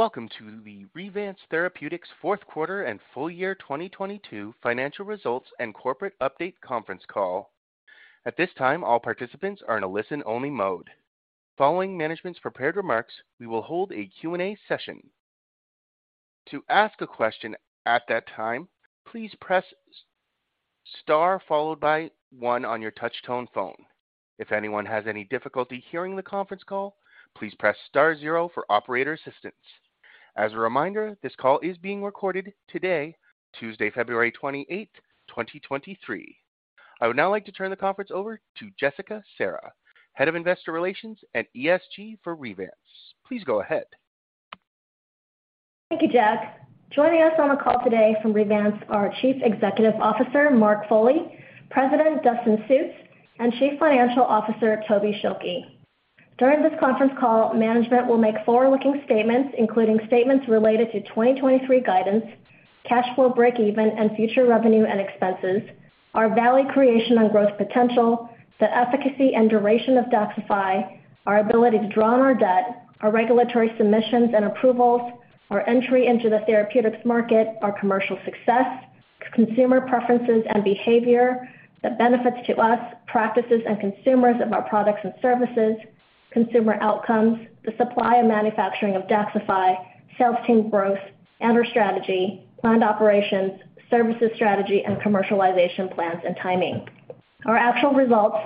Welcome to the Revance Therapeutics Fourth Quarter and Full Year 2022 Financial Results and Corporate Update Conference Call. At this time, all participants are in a listen-only mode. Following management's prepared remarks, we will hold a Q&A session. To ask a question at that time, please press star followed by one on your touch tone phone. If anyone has any difficulty hearing the conference call, please press star zero for operator assistance. As a reminder, this call is being recorded today, Tuesday, February 28th, 2023. I would now like to turn the conference over to Jessica Serra, head of investor relations at ESG for Revance. Please go ahead. Thank you, Jack. Joining us on the call today from Revance are Chief Executive Officer, Mark Foley, President, Dustin Sjuts, and Chief Financial Officer, Tobin Schilke. During this conference call, management will make forward-looking statements, including statements related to 2023 guidance, cash flow break even and future revenue and expenses, our value creation and growth potential, the efficacy and duration of DAXXIFY, our ability to draw on our debt, our regulatory submissions and approvals, our entry into the therapeutics market, our commercial success, consumer preferences and behavior, the benefits to us, practices and consumers of our products and services, consumer outcomes, the supply and manufacturing of DAXXIFY, sales team growth and our strategy, planned operations, services strategy, and commercialization plans and timing. Our actual results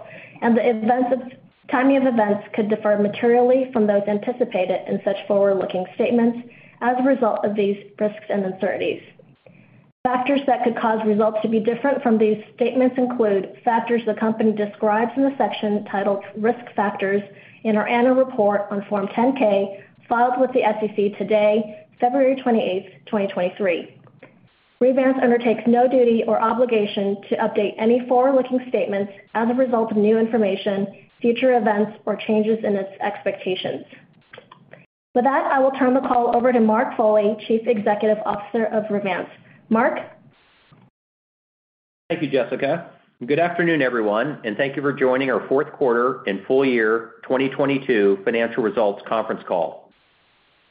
and the timing of events could differ materially from those anticipated in such forward-looking statements as a result of these risks and uncertainties. Factors that could cause results to be different from these statements include factors the company describes in the section titled Risk Factors in our annual report on Form 10-K filed with the SEC today, February 28th, 2023. Revance undertakes no duty or obligation to update any forward-looking statements as a result of new information, future events or changes in its expectations. With that, I will turn the call over to Mark Foley, Chief Executive Officer of Revance. Mark? Thank you, Jessica, good afternoon, everyone, and thank you for joining our fourth quarter and full year 2022 financial results conference call.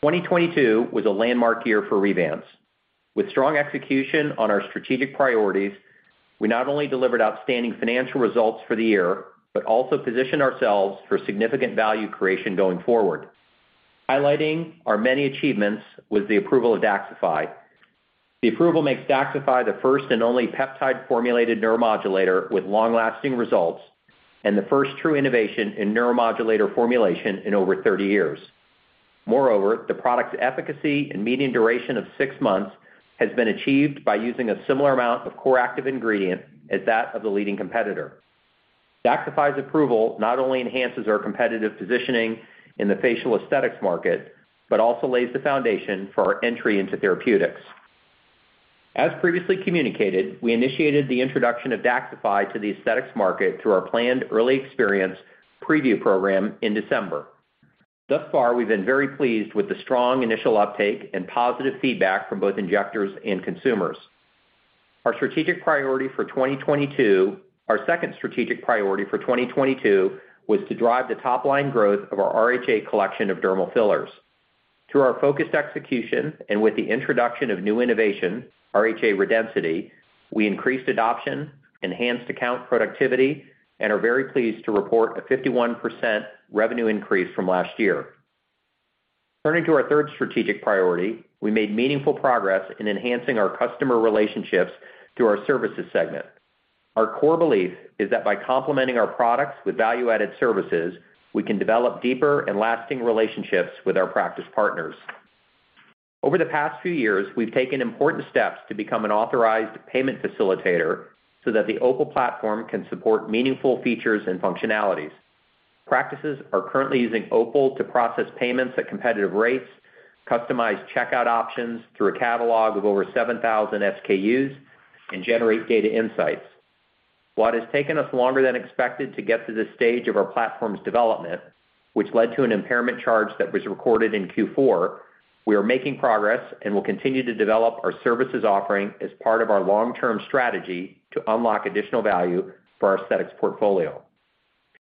2022 was a landmark year for Revance. With strong execution on our strategic priorities, we not only delivered outstanding financial results for the year, but also positioned ourselves for significant value creation going forward. Highlighting our many achievements was the approval of DAXXIFY. The approval makes DAXXIFY the first and only peptide-formulated neuromodulator with long-lasting results and the first true innovation in neuromodulator formulation in over 30 years. Moreover, the product's efficacy and median duration of six months has been achieved by using a similar amount of core active ingredient as that of the leading competitor. DAXXIFY's approval not only enhances our competitive positioning in the facial aesthetics market, but also lays the foundation for our entry into therapeutics. As previously communicated, we initiated the introduction of DAXXIFY to the aesthetics market through our planned early experience preview program in December. Thus far, we've been very pleased with the strong initial uptake and positive feedback from both injectors and consumers. Our second strategic priority for 2022 was to drive the top line growth of our RHA Collection of dermal fillers. Through our focused execution and with the introduction of new innovation, RHA Redensity, we increased adoption, enhanced account productivity, and are very pleased to report a 51% revenue increase from last year. Turning to our third strategic priority, we made meaningful progress in enhancing our customer relationships through our services segment. Our core belief is that by complementing our products with value-added services, we can develop deeper and lasting relationships with our practice partners. Over the past few years, we've taken important steps to become an authorized payment facilitator so that the OPUL platform can support meaningful features and functionalities. Practices are currently using OPUL to process payments at competitive rates, customize checkout options through a catalog of over 7,000 SKUs, and generate data insights. While it has taken us longer than expected to get to this stage of our platform's development, which led to an impairment charge that was recorded in Q4, we are making progress and will continue to develop our services offering as part of our long-term strategy to unlock additional value for our aesthetics portfolio.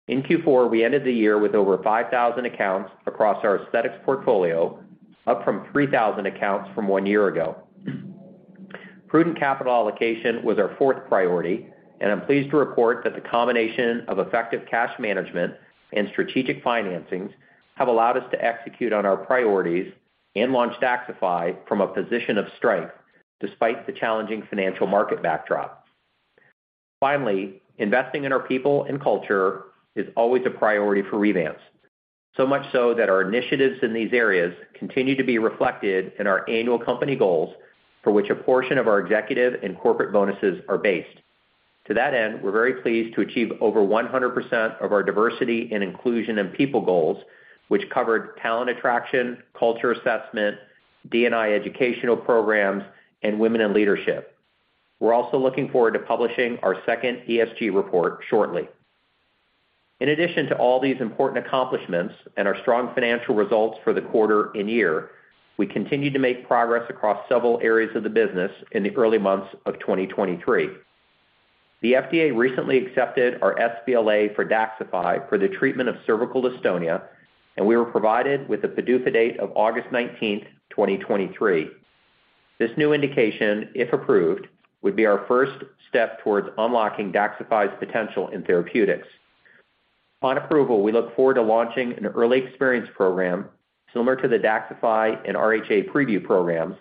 In Q4, we ended the year with over 5,000 accounts across our aesthetics portfolio, up from 3,000 accounts from one year ago. Prudent capital allocation was our fourth priority, and I'm pleased to report that the combination of effective cash management and strategic financings have allowed us to execute on our priorities and launch DAXXIFY from a position of strength despite the challenging financial market backdrop. Finally, investing in our people and culture is always a priority for Revance. So much so that our initiatives in these areas continue to be reflected in our annual company goals for which a portion of our executive and corporate bonuses are based. To that end, we're very pleased to achieve over 100% of our diversity and inclusion and people goals, which covered talent attraction, culture assessment, D&I educational programs, and women in leadership. We're also looking forward to publishing our second ESG report shortly. In addition to all these important accomplishments and our strong financial results for the quarter and year, we continue to make progress across several areas of the business in the early months of 2023. The FDA recently accepted our sBLA for DAXXIFY for the treatment of cervical dystonia, and we were provided with the PDUFA date of August 19, 2023. This new indication, if approved, would be our first step towards unlocking DAXXIFY's potential in therapeutics. On approval, we look forward to launching an early experience program similar to the DAXXIFY and RHA Preview programs,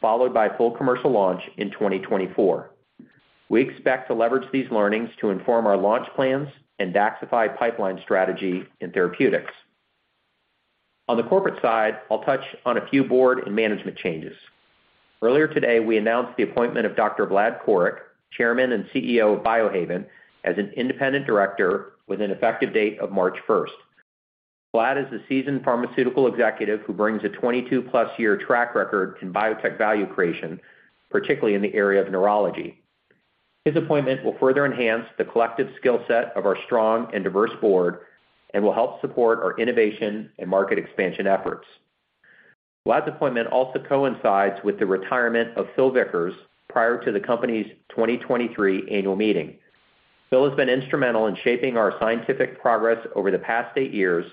followed by full commercial launch in 2024. We expect to leverage these learnings to inform our launch plans and DAXXIFY pipeline strategy in therapeutics. On the corporate side, I'll touch on a few board and management changes. Earlier today, we announced the appointment of Dr. Vlad Coric, Chairman and CEO of Biohaven, as an independent director with an effective date of March first. Vlad is a seasoned pharmaceutical executive who brings a 22-plus-year track record in biotech value creation, particularly in the area of neurology. His appointment will further enhance the collective skill set of our strong and diverse board and will help support our innovation and market expansion efforts. Vlad's appointment also coincides with the retirement of Philip Vickers prior to the company's 2023 annual meeting. Phil has been instrumental in shaping our scientific progress over the past eight years,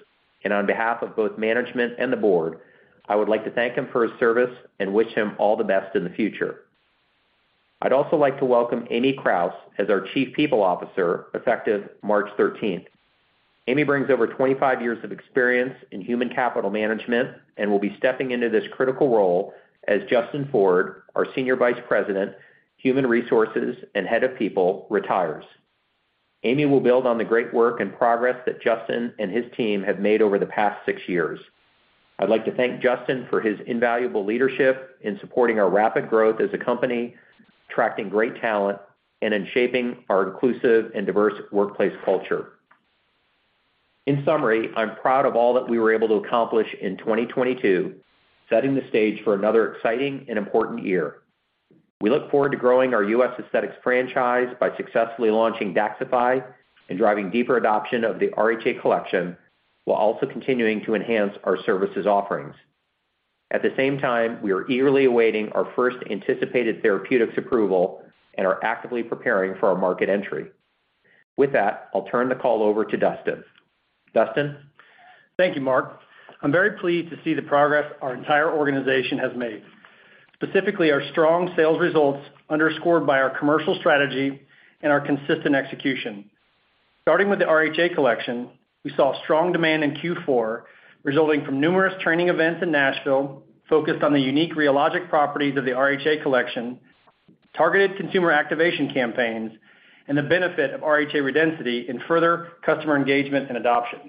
and on behalf of both management and the board, I would like to thank him for his service and wish him all the best in the future. I'd also like to welcome Amie Krause as our Chief People Officer, effective March thirteenth. Amie brings over 25 years of experience in human capital management and will be stepping into this critical role as Justin Ford, our senior vice president, human resources, and head of people, retires. Amie will build on the great work and progress that Justin and his team have made over the past 6 years. I'd like to thank Justin for his invaluable leadership in supporting our rapid growth as a company, attracting great talent, and in shaping our inclusive and diverse workplace culture. In summary, I'm proud of all that we were able to accomplish in 2022, setting the stage for another exciting and important year. We look forward to growing our U.S. aesthetics franchise by successfully launching DAXXIFY and driving deeper adoption of the RHA Collection while also continuing to enhance our services offerings. At the same time, we are eagerly awaiting our first anticipated therapeutics approval and are actively preparing for our market entry. With that, I'll turn the call over to Dustin. Dustin? Thank you, Mark. I'm very pleased to see the progress our entire organization has made, specifically our strong sales results underscored by our commercial strategy and our consistent execution. Starting with the RHA Collection, we saw strong demand in Q4, resulting from numerous training events in Nashville focused on the unique rheologic properties of the RHA Collection, targeted consumer activation campaigns, and the benefit of RHA Redensity in further customer engagement and adoption.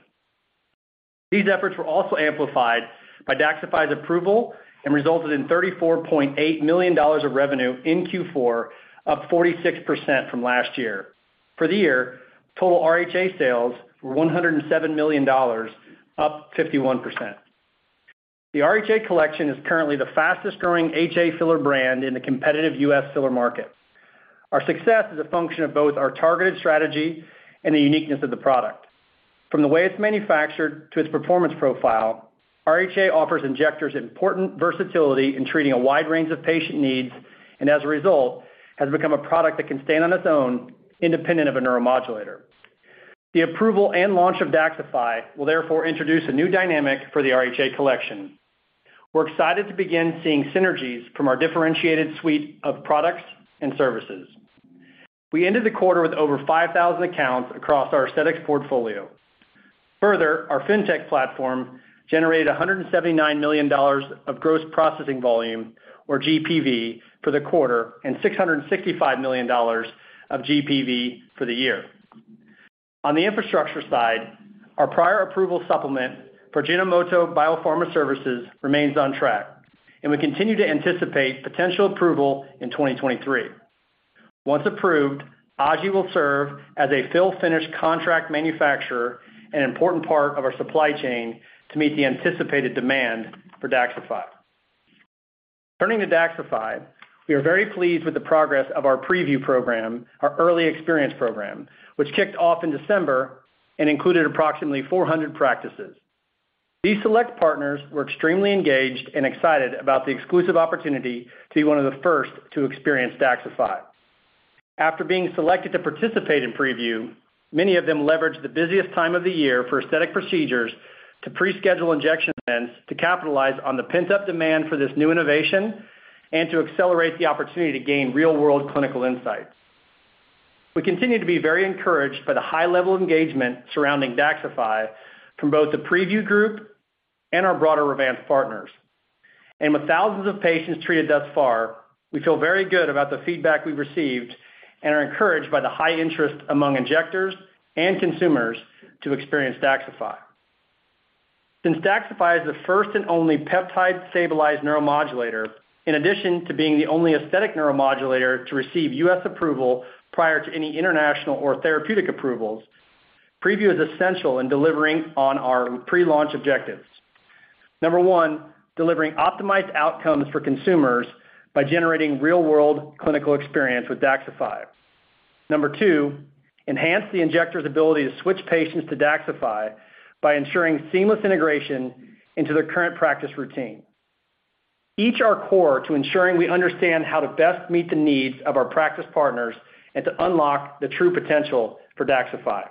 These efforts were also amplified by DAXXIFY's approval and resulted in $34.8 million of revenue in Q4, up 46% from last year. For the year, total RHA sales were $107 million, up 51%. The RHA Collection is currently the fastest-growing HA filler brand in the competitive U.S. filler market. Our success is a function of both our targeted strategy and the uniqueness of the product. From the way it's manufactured to its performance profile, RHA offers injectors important versatility in treating a wide range of patient needs, and as a result, has become a product that can stand on its own, independent of a neuromodulator. The approval and launch of DAXXIFY will therefore introduce a new dynamic for the RHA Collection. We're excited to begin seeing synergies from our differentiated suite of products and services. We ended the quarter with over 5,000 accounts across our aesthetics portfolio. Further, our fintech platform generated $179 million of gross processing volume, or GPV, for the quarter and $665 million of GPV for the year. On the infrastructure side, our prior approval supplement for Ajinomoto Bio-Pharma Services remains on track, and we continue to anticipate potential approval in 2023. Once approved, Aji will serve as a fill-finish contract manufacturer, an important part of our supply chain to meet the anticipated demand for DAXXIFY. Turning to DAXXIFY, we are very pleased with the progress of our preview program, our early experience program, which kicked off in December and included approximately 400 practices. These select partners were extremely engaged and excited about the exclusive opportunity to be one of the first to experience DAXXIFY. After being selected to participate in preview, many of them leveraged the busiest time of the year for aesthetic procedures to pre-schedule injection events to capitalize on the pent-up demand for this new innovation and to accelerate the opportunity to gain real-world clinical insights. We continue to be very encouraged by the high level of engagement surrounding DAXXIFY from both the preview group and our broader Revance partners. With thousands of patients treated thus far, we feel very good about the feedback we've received and are encouraged by the high interest among injectors and consumers to experience DAXXIFY. Since DAXXIFY is the first and only peptide-stabilized neuromodulator, in addition to being the only aesthetic neuromodulator to receive U.S. approval prior to any international or therapeutic approvals, preview is essential in delivering on our pre-launch objectives. Number one, delivering optimized outcomes for consumers by generating real-world clinical experience with DAXXIFY. Number two, enhance the injector's ability to switch patients to DAXXIFY by ensuring seamless integration into their current practice routine. Each are core to ensuring we understand how to best meet the needs of our practice partners and to unlock the true potential for DAXXIFY.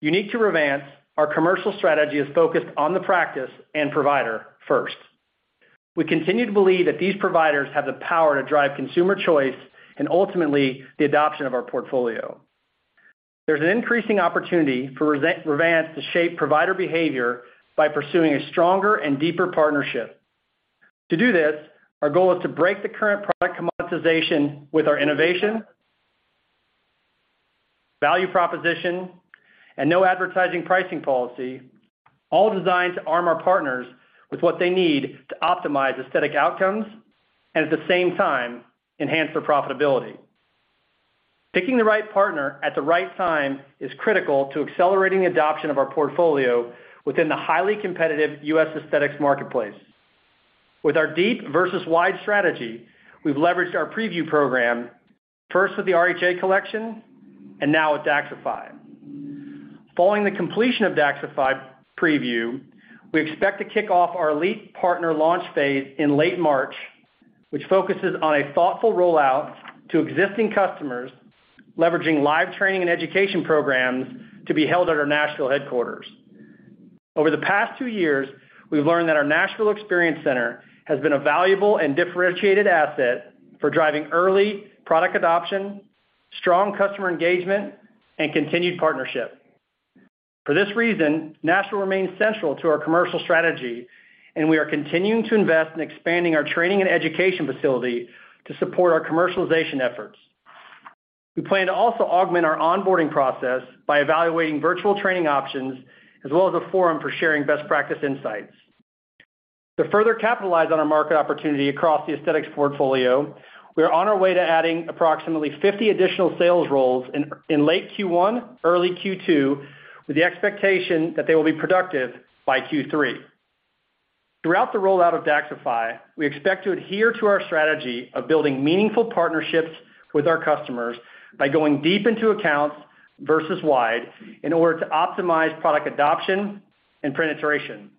Unique to Revance, our commercial strategy is focused on the practice and provider first. We continue to believe that these providers have the power to drive consumer choice and ultimately the adoption of our portfolio. There's an increasing opportunity for Revance to shape provider behavior by pursuing a stronger and deeper partnership. To do this, our goal is to break the current product monetization with our innovation, value proposition, and no advertising pricing policy, all designed to arm our partners with what they need to optimize aesthetic outcomes and at the same time enhance their profitability. Picking the right partner at the right time is critical to accelerating adoption of our portfolio within the highly competitive U.S. aesthetics marketplace. With our deep versus wide strategy, we've leveraged our preview program, first with the RHA Collection and now with DAXXIFY. Following the completion of DAXXIFY preview, we expect to kick off our elite partner launch phase in late March, which focuses on a thoughtful rollout to existing customers, leveraging live training and education programs to be held at our national headquarters. Over the past two years, we've learned that our National Experience Center has been a valuable and differentiated asset for driving early product adoption, strong customer engagement, and continued partnership. For this reason, Nashville remains central to our commercial strategy. We are continuing to invest in expanding our training and education facility to support our commercialization efforts. We plan to also augment our onboarding process by evaluating virtual training options as well as a forum for sharing best practice insights. To further capitalize on our market opportunity across the aesthetics portfolio, we are on our way to adding approximately 50 additional sales roles in late Q1, early Q2, with the expectation that they will be productive by Q3. Throughout the rollout of DAXXIFY, we expect to adhere to our strategy of building meaningful partnerships with our customers by going deep into accounts versus wide in order to optimize product adoption and penetration.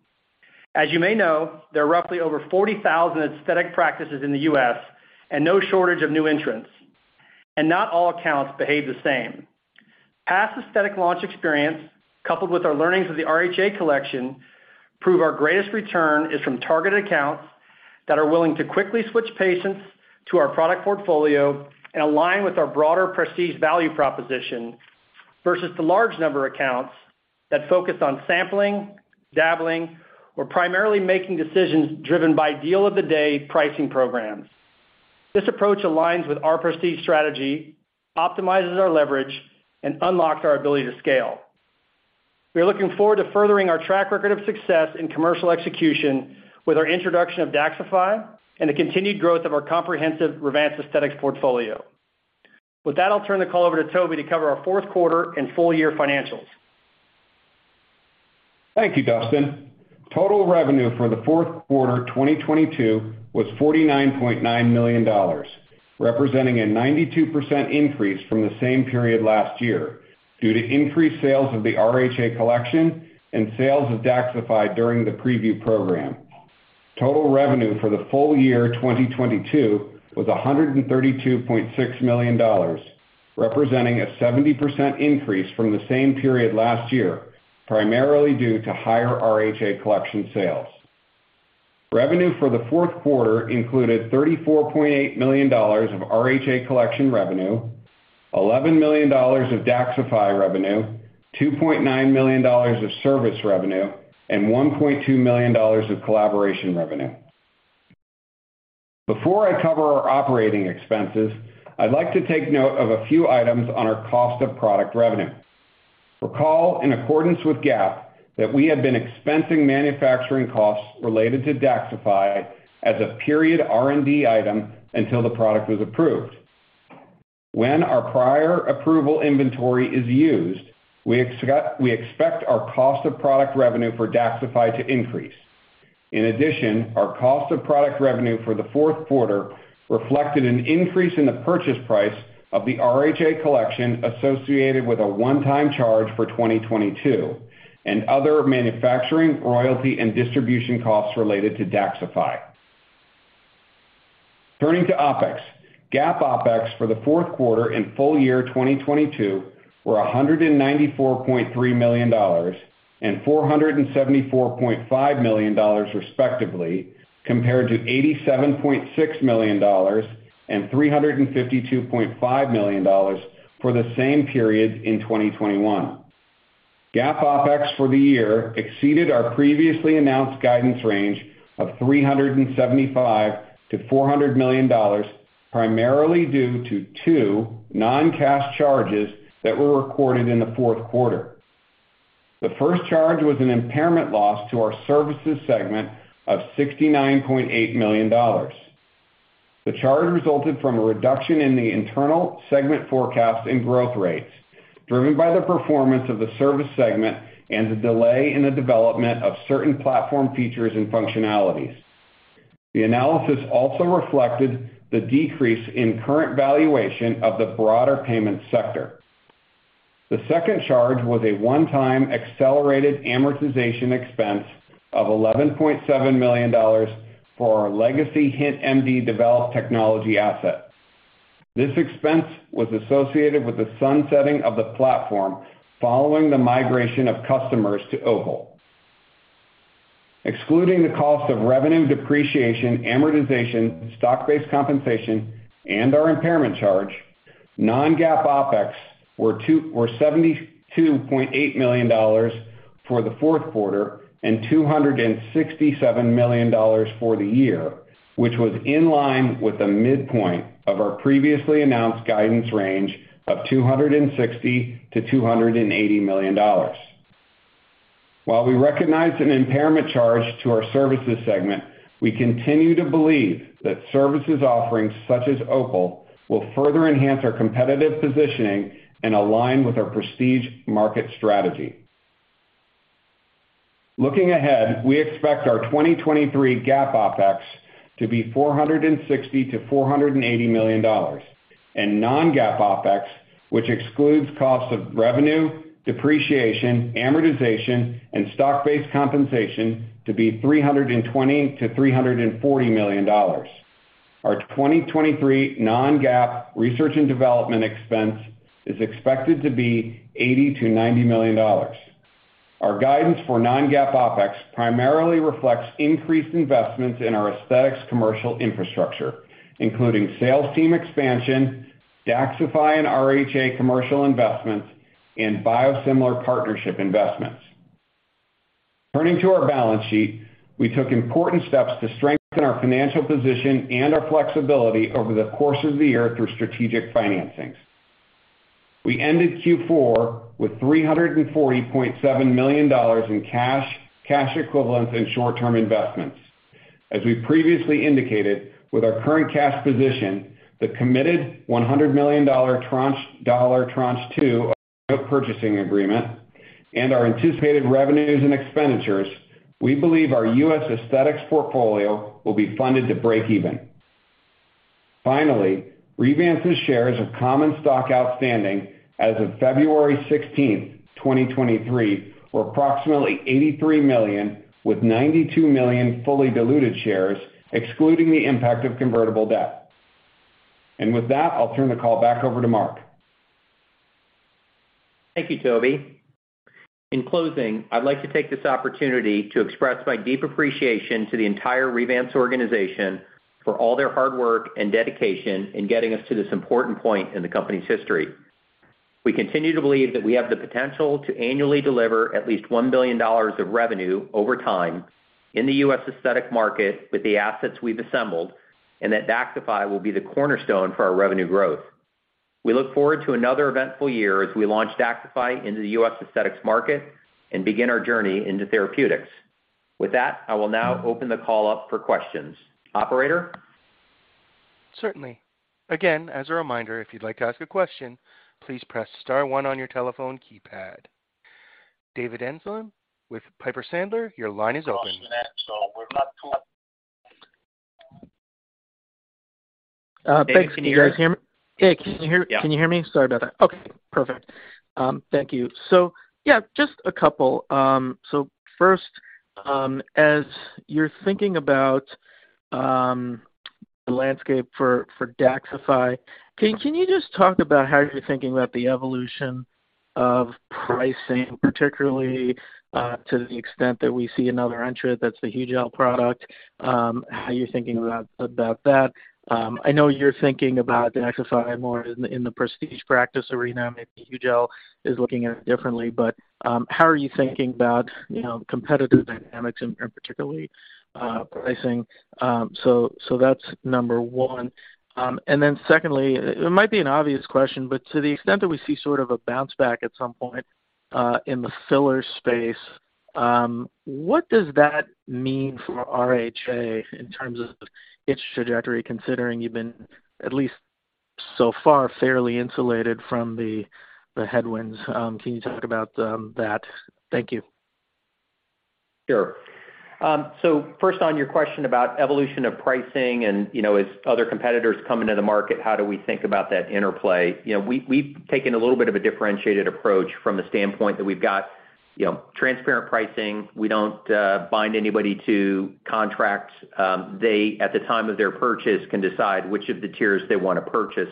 As you may know, there are roughly over 40,000 aesthetic practices in the U.S. and no shortage of new entrants. Not all accounts behave the same. Past aesthetic launch experience coupled with our learnings of the RHA Collection prove our greatest return is from targeted accounts that are willing to quickly switch patients to our product portfolio and align with our broader Prestige value proposition versus the large number of accounts that focus on sampling, dabbling, or primarily making decisions driven by deal-of-the-day pricing programs. This approach aligns with our Prestige strategy, optimizes our leverage, and unlocks our ability to scale. We are looking forward to furthering our track record of success in commercial execution with our introduction of DAXXIFY and the continued growth of our comprehensive Revance Aesthetics portfolio. With that, I'll turn the call over to Tobin to cover our fourth quarter and full year financials. Thank you, Dustin. Total revenue for the fourth quarter 2022 was $49.9 million, representing a 92% increase from the same period last year due to increased sales of the RHA Collection and sales of DAXXIFY during the preview program. Total revenue for the full year 2022 was $132.6 million, representing a 70% increase from the same period last year, primarily due to higher RHA Collection sales. Revenue for the fourth quarter included $34.8 million of RHA Collection revenue, $11 million of DAXXIFY revenue, $2.9 million of service revenue, and $1.2 million of collaboration revenue. Before I cover our operating expenses, I'd like to take note of a few items on our cost of product revenue. Recall, in accordance with GAAP, that we have been expensing manufacturing costs related to DAXXIFY as a period R&D item until the product was approved. When our prior approval inventory is used, we expect our cost of product revenue for DAXXIFY to increase. Our cost of product revenue for the fourth quarter reflected an increase in the purchase price of the RHA Collection associated with a one-time charge for 2022 and other manufacturing, royalty, and distribution costs related to DAXXIFY. Turning to OpEx. GAAP OpEx for the fourth quarter and full year 2022 were $194.3 million and $474.5 million respectively, compared to $87.6 million and $352.5 million for the same period in 2021. GAAP OpEx for the year exceeded our previously announced guidance range of $375 million-$400 million, primarily due to two non-cash charges that were recorded in the fourth quarter. The first charge was an impairment loss to our services segment of $69.8 million. The charge resulted from a reduction in the internal segment forecast and growth rates driven by the performance of the service segment and the delay in the development of certain platform features and functionalities. The analysis also reflected the decrease in current valuation of the broader payment sector. The second charge was a one-time accelerated amortization expense of $11.7 million for our legacy HintMD developed technology assets. This expense was associated with the sunsetting of the platform following the migration of customers to OPUL. Excluding the cost of revenue depreciation, amortization, stock-based compensation, and our impairment charge, non-GAAP OpEx were $72.8 million for the fourth quarter and $267 million for the year, which was in line with the midpoint of our previously announced guidance range of $260 million-$280 million. While we recognized an impairment charge to our services segment, we continue to believe that services offerings such as OPUL will further enhance our competitive positioning and align with our prestige market strategy. Looking ahead, we expect our 2023 GAAP OpEx to be $460 million-$480 million and non-GAAP OpEx, which excludes costs of revenue, depreciation, amortization, and stock-based compensation to be $320 million-$340 million. Our 2023 non-GAAP research and development expense is expected to be $80 million-$90 million. Our guidance for non-GAAP OpEx primarily reflects increased investments in our aesthetics commercial infrastructure, including sales team expansion, DAXXIFY and RHA commercial investments, and biosimilar partnership investments. Turning to our balance sheet, we took important steps to strengthen our financial position and our flexibility over the course of the year through strategic financings. We ended Q4 with $340.7 million in cash equivalents, and short-term investments. As we previously indicated, with our current cash position, the committed $100 million tranche, dollar tranche two of the note purchasing agreement and our anticipated revenues and expenditures, we believe our U.S. aesthetics portfolio will be funded to breakeven. Revance's shares of common stock outstanding as of February 16th, 2023 were approximately $83 million, with $92 million fully diluted shares, excluding the impact of convertible debt. With that, I'll turn the call back over to Mark. Thank you, Tobin. In closing, I'd like to take this opportunity to express my deep appreciation to the entire Revance organization for all their hard work and dedication in getting us to this important point in the company's history. We continue to believe that we have the potential to annually deliver at least $1 billion of revenue over time in the U.S. aesthetic market with the assets we've assembled, and that DAXXIFY will be the cornerstone for our revenue growth. We look forward to another eventful year as we launch DAXXIFY into the U.S. aesthetics market and begin our journey into therapeutics. With that, I will now open the call up for questions. Operator? Certainly. Again, as a reminder, if you'd like to ask a question, please press star one on your telephone keypad. David Amsellem with Piper Sandler, your line is open. Thanks. Can you guys hear me? Hey, can you hear me? Sorry about that. Okay, perfect. Thank you. Yeah, just a couple. First, as you're thinking about the landscape for DAXXIFY, can you just talk about how you're thinking about the evolution of pricing, particularly to the extent that we see another entrant that's the Juvéderm product, how you're thinking about that? I know you're thinking about DAXXIFY more in the prestige practice arena. Maybe Juvéderm is looking at it differently. How are you thinking about, you know, competitive dynamics and particularly pricing? That's number one. Secondly, it might be an obvious question, but to the extent that we see sort of a bounce back at some point, in the filler space, what does that mean for RHA in terms of its trajectory, considering you've been, at least so far, fairly insulated from the headwinds? Can you talk about that? Thank you. First on your question about evolution of pricing and, you know, as other competitors come into the market, how do we think about that interplay? You know, we've taken a little bit of a differentiated approach from the standpoint that we've got, you know, transparent pricing. We don't bind anybody to contracts. They, at the time of their purchase, can decide which of the tiers they wanna purchase.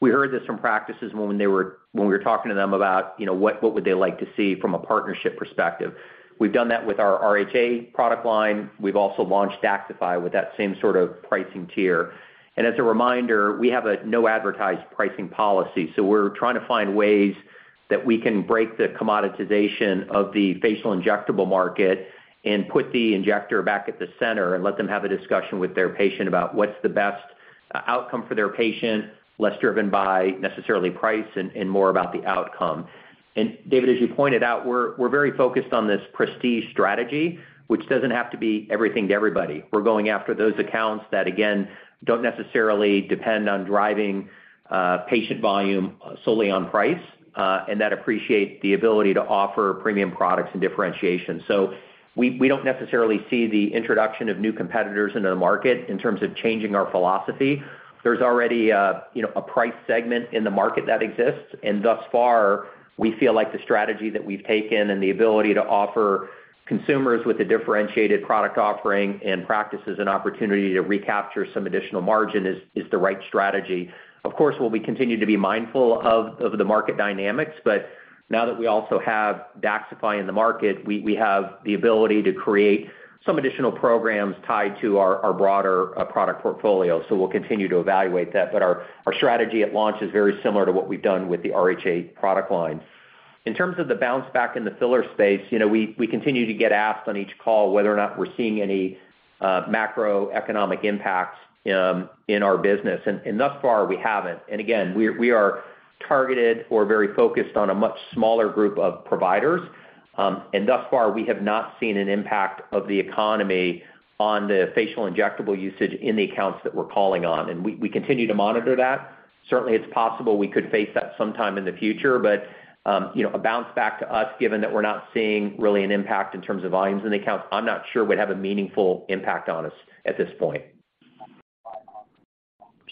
We heard this from practices when we were talking to them about, you know, what would they like to see from a partnership perspective. We've done that with our RHA product line. We've also launched DAXXIFY with that same sort of pricing tier. As a reminder, we have a no advertise pricing policy. We're trying to find ways that we can break the commoditization of the facial injectable market and put the injector back at the center and let them have a discussion with their patient about what's the best outcome for their patient, less driven by necessarily price and more about the outcome. David, as you pointed out, we're very focused on this prestige strategy, which doesn't have to be everything to everybody. We're going after those accounts that, again, don't necessarily depend on driving patient volume solely on price and that appreciate the ability to offer premium products and differentiation. We don't necessarily see the introduction of new competitors into the market in terms of changing our philosophy. There's already a, you know, a price segment in the market that exists. Thus far, we feel like the strategy that we've taken and the ability to offer consumers with a differentiated product offering and practices an opportunity to recapture some additional margin is the right strategy. Of course, we'll be continuing to be mindful of the market dynamics. Now that we also have DAXXIFY in the market, we have the ability to create some additional programs tied to our broader product portfolio. We'll continue to evaluate that. Our strategy at launch is very similar to what we've done with the RHA product lines. In terms of the bounce back in the filler space, you know, we continue to get asked on each call whether or not we're seeing any macroeconomic impacts in our business. Thus far, we haven't. Again, we are targeted or very focused on a much smaller group of providers. Thus far, we have not seen an impact of the economy on the facial injectable usage in the accounts that we're calling on. We continue to monitor that. Certainly, it's possible we could face that sometime in the future. You know, a bounce back to us, given that we're not seeing really an impact in terms of volumes in the accounts, I'm not sure would have a meaningful impact on us at this point.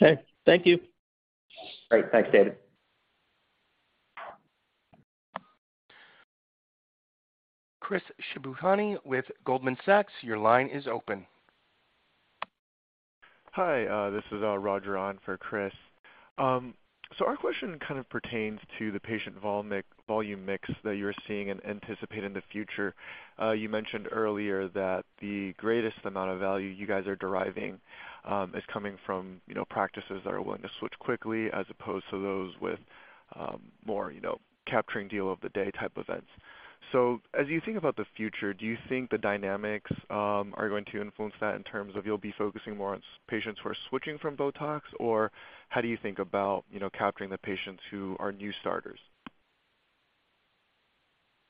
Okay. Thank you. Great. Thanks, David. Chris Shibutani with Goldman Sachs, your line is open. Hi, this is Roger on for Chris. Our question kind of pertains to the patient volume mix that you're seeing and anticipate in the future. You mentioned earlier that the greatest amount of value you guys are deriving, is coming from, you know, practices that are willing to switch quickly as opposed to those with, more, you know, capturing deal of the day type events. As you think about the future, do you think the dynamics, are going to influence that in terms of you'll be focusing more on patients who are switching from Botox? Or how do you think about, you know, capturing the patients who are new starters?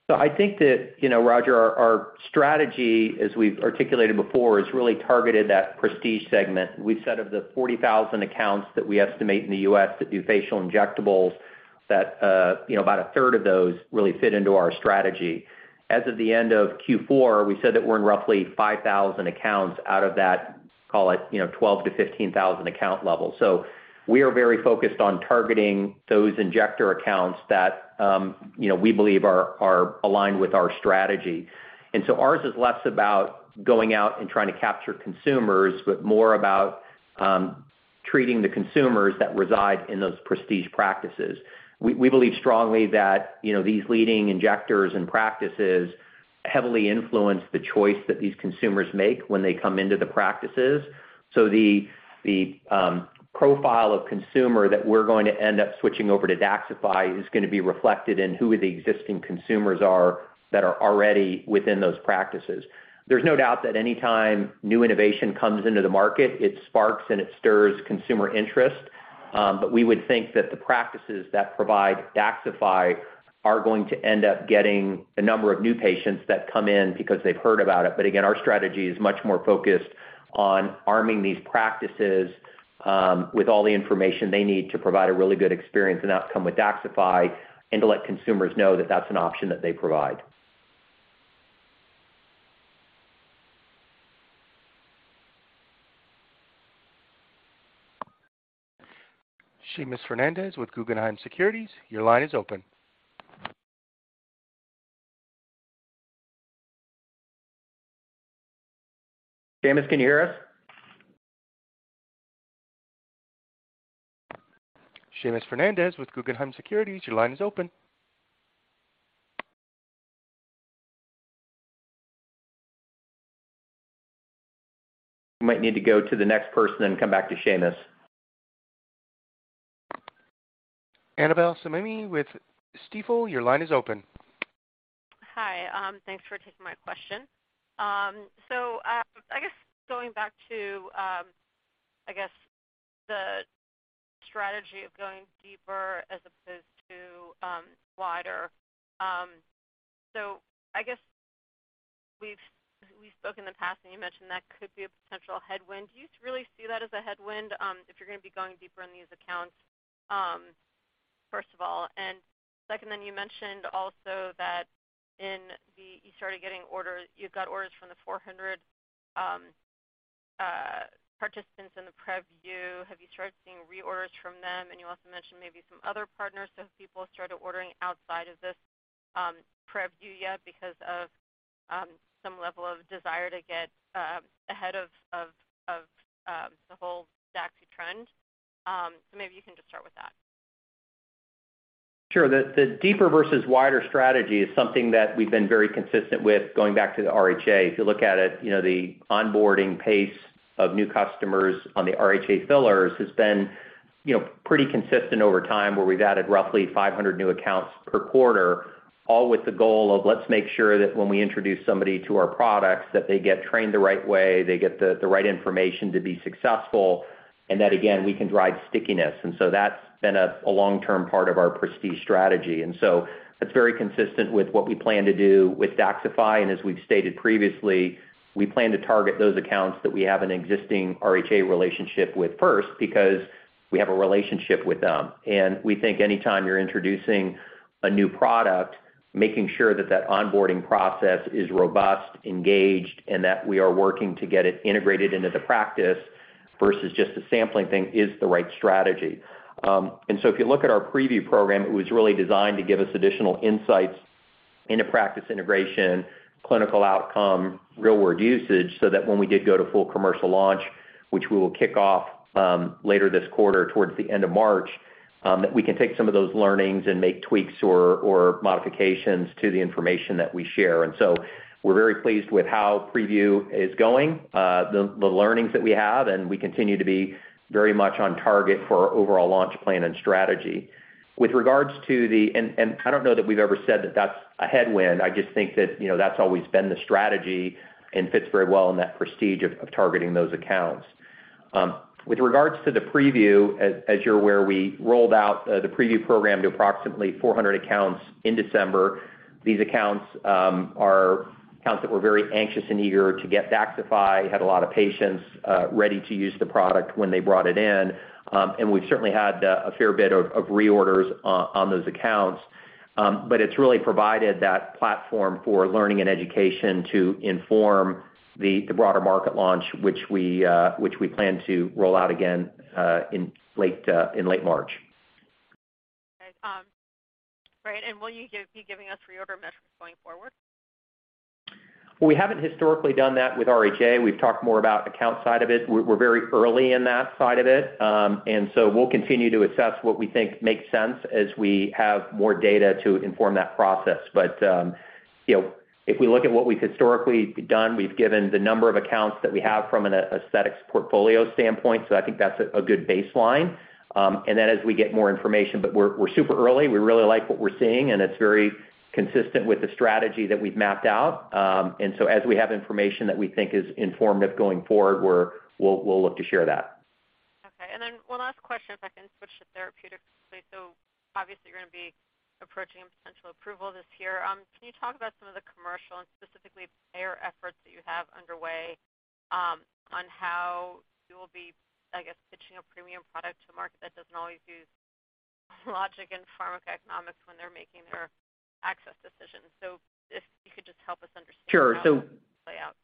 I think that, you know, Roger, our strategy, as we've articulated before, is really targeted that prestige segment. We've said of the 40,000 accounts that we estimate in the US that do facial injectables, that, you know, about 1/3 of those really fit into our strategy. As of the end of Q4, we said that we're in roughly 5,000 accounts out of that, call it, you know, 12,000-15,000 account level. We are very focused on targeting those injector accounts that, you know, we believe are aligned with our strategy. Ours is less about going out and trying to capture consumers, but more about treating the consumers that reside in those prestige practices. We believe strongly that, you know, these leading injectors and practices heavily influence the choice that these consumers make when they come into the practices. The profile of consumer that we're going to end up switching over to DAXXIFY is gonna be reflected in who the existing consumers are that are already within those practices. There's no doubt that any time new innovation comes into the market, it sparks and it stirs consumer interest. We would think that the practices that provide DAXXIFY are going to end up getting a number of new patients that come in because they've heard about it. Again, our strategy is much more focused on arming these practices with all the information they need to provide a really good experience and outcome with DAXXIFY and to let consumers know that that's an option that they provide. Seamus Fernandez with Guggenheim Securities, your line is open. Seamus, can you hear us? Seamus Fernandez with Guggenheim Securities, your line is open. We might need to go to the next person and come back to Seamus. Annabel Samimy with Stifel, your line is open. Hi. Thanks for taking my question. I guess going back to I guess the strategy of going deeper as opposed to wider. I guess we've spoken in the past, and you mentioned that could be a potential headwind. Do you really see that as a headwind if you're gonna be going deeper in these accounts first of all? Second, you mentioned also that you got orders from the 400 participants in the preview. Have you started seeing reorders from them? You also mentioned maybe some other partners. Have people started ordering outside of this preview yet because of some level of desire to get ahead of the whole DAXXIFY trend? Maybe you can just start with that. Sure. The, the deeper versus wider strategy is something that we've been very consistent with going back to the RHA. If you look at it, you know, the onboarding pace of new customers on the RHA fillers has been you know, pretty consistent over time where we've added roughly 500 new accounts per quarter, all with the goal of let's make sure that when we introduce somebody to our products that they get trained the right way, they get the right information to be successful, and that again, we can drive stickiness. That's been a long-term part of our prestige strategy. That's very consistent with what we plan to do with DAXXIFY. As we've stated previously, we plan to target those accounts that we have an existing RHA relationship with first because we have a relationship with them. We think anytime you're introducing a new product, making sure that that onboarding process is robust, engaged, and that we are working to get it integrated into the practice versus just a sampling thing is the right strategy. If you look at our preview program, it was really designed to give us additional insights into practice integration, clinical outcome, real world usage, so that when we did go to full commercial launch, which we will kick off later this quarter towards the end of March, that we can take some of those learnings and make tweaks or modifications to the information that we share. We're very pleased with how preview is going, the learnings that we have, and we continue to be very much on target for our overall launch plan and strategy. With regards to the... I don't know that we've ever said that that's a headwind. I just think that, you know, that's always been the strategy and fits very well in that prestige of targeting those accounts. With regards to the preview, as you're aware, we rolled out the preview program to approximately 400 accounts in December. These accounts are accounts that were very anxious and eager to get DAXXIFY, had a lot of patients ready to use the product when they brought it in. We've certainly had a fair bit of reorders on those accounts. It's really provided that platform for learning and education to inform the broader market launch, which we plan to roll out again in late March. Okay. right. will you be giving us reorder metrics going forward? We haven't historically done that with RHA. We've talked more about account side of it. We're very early in that side of it. We'll continue to assess what we think makes sense as we have more data to inform that process. You know, if we look at what we've historically done, we've given the number of accounts that we have from an aesthetics portfolio standpoint, so I think that's a good baseline. Then as we get more information, but we're super early. We really like what we're seeing, and it's very consistent with the strategy that we've mapped out. As we have information that we think is informative going forward, we'll look to share that. Okay. One last question, if I can switch to therapeutics. Obviously, you're gonna be approaching a potential approval this year. Can you talk about some of the commercial and specifically payer efforts that you have underway, on how you'll be, I guess, pitching a premium product to a market that doesn't always use logic and pharmacoeconomics when they're making their access decisions? If you could just help us understand. Sure. how that would play out.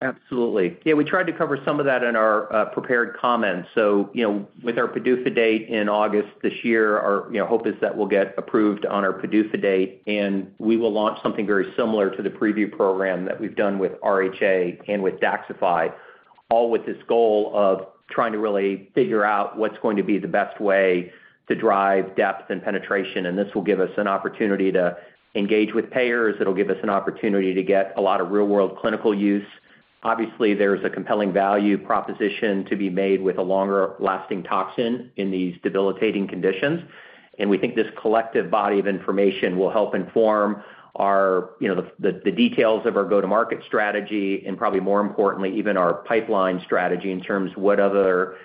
Absolutely. Yeah, we tried to cover some of that in our prepared comments. You know, with our PDUFA date in August this year, our, you know, hope is that we'll get approved on our PDUFA date, and we will launch something very similar to the preview program that we've done with RHA and with DAXXIFY, all with this goal of trying to really figure out what's going to be the best way to drive depth and penetration. This will give us an opportunity to engage with payers. It'll give us an opportunity to get a lot of real-world clinical use. Obviously, there's a compelling value proposition to be made with a longer lasting toxin in these debilitating conditions. We think this collective body of information will help inform our, you know, the details of our go-to-market strategy and probably more importantly, even our pipeline strategy in terms of what other,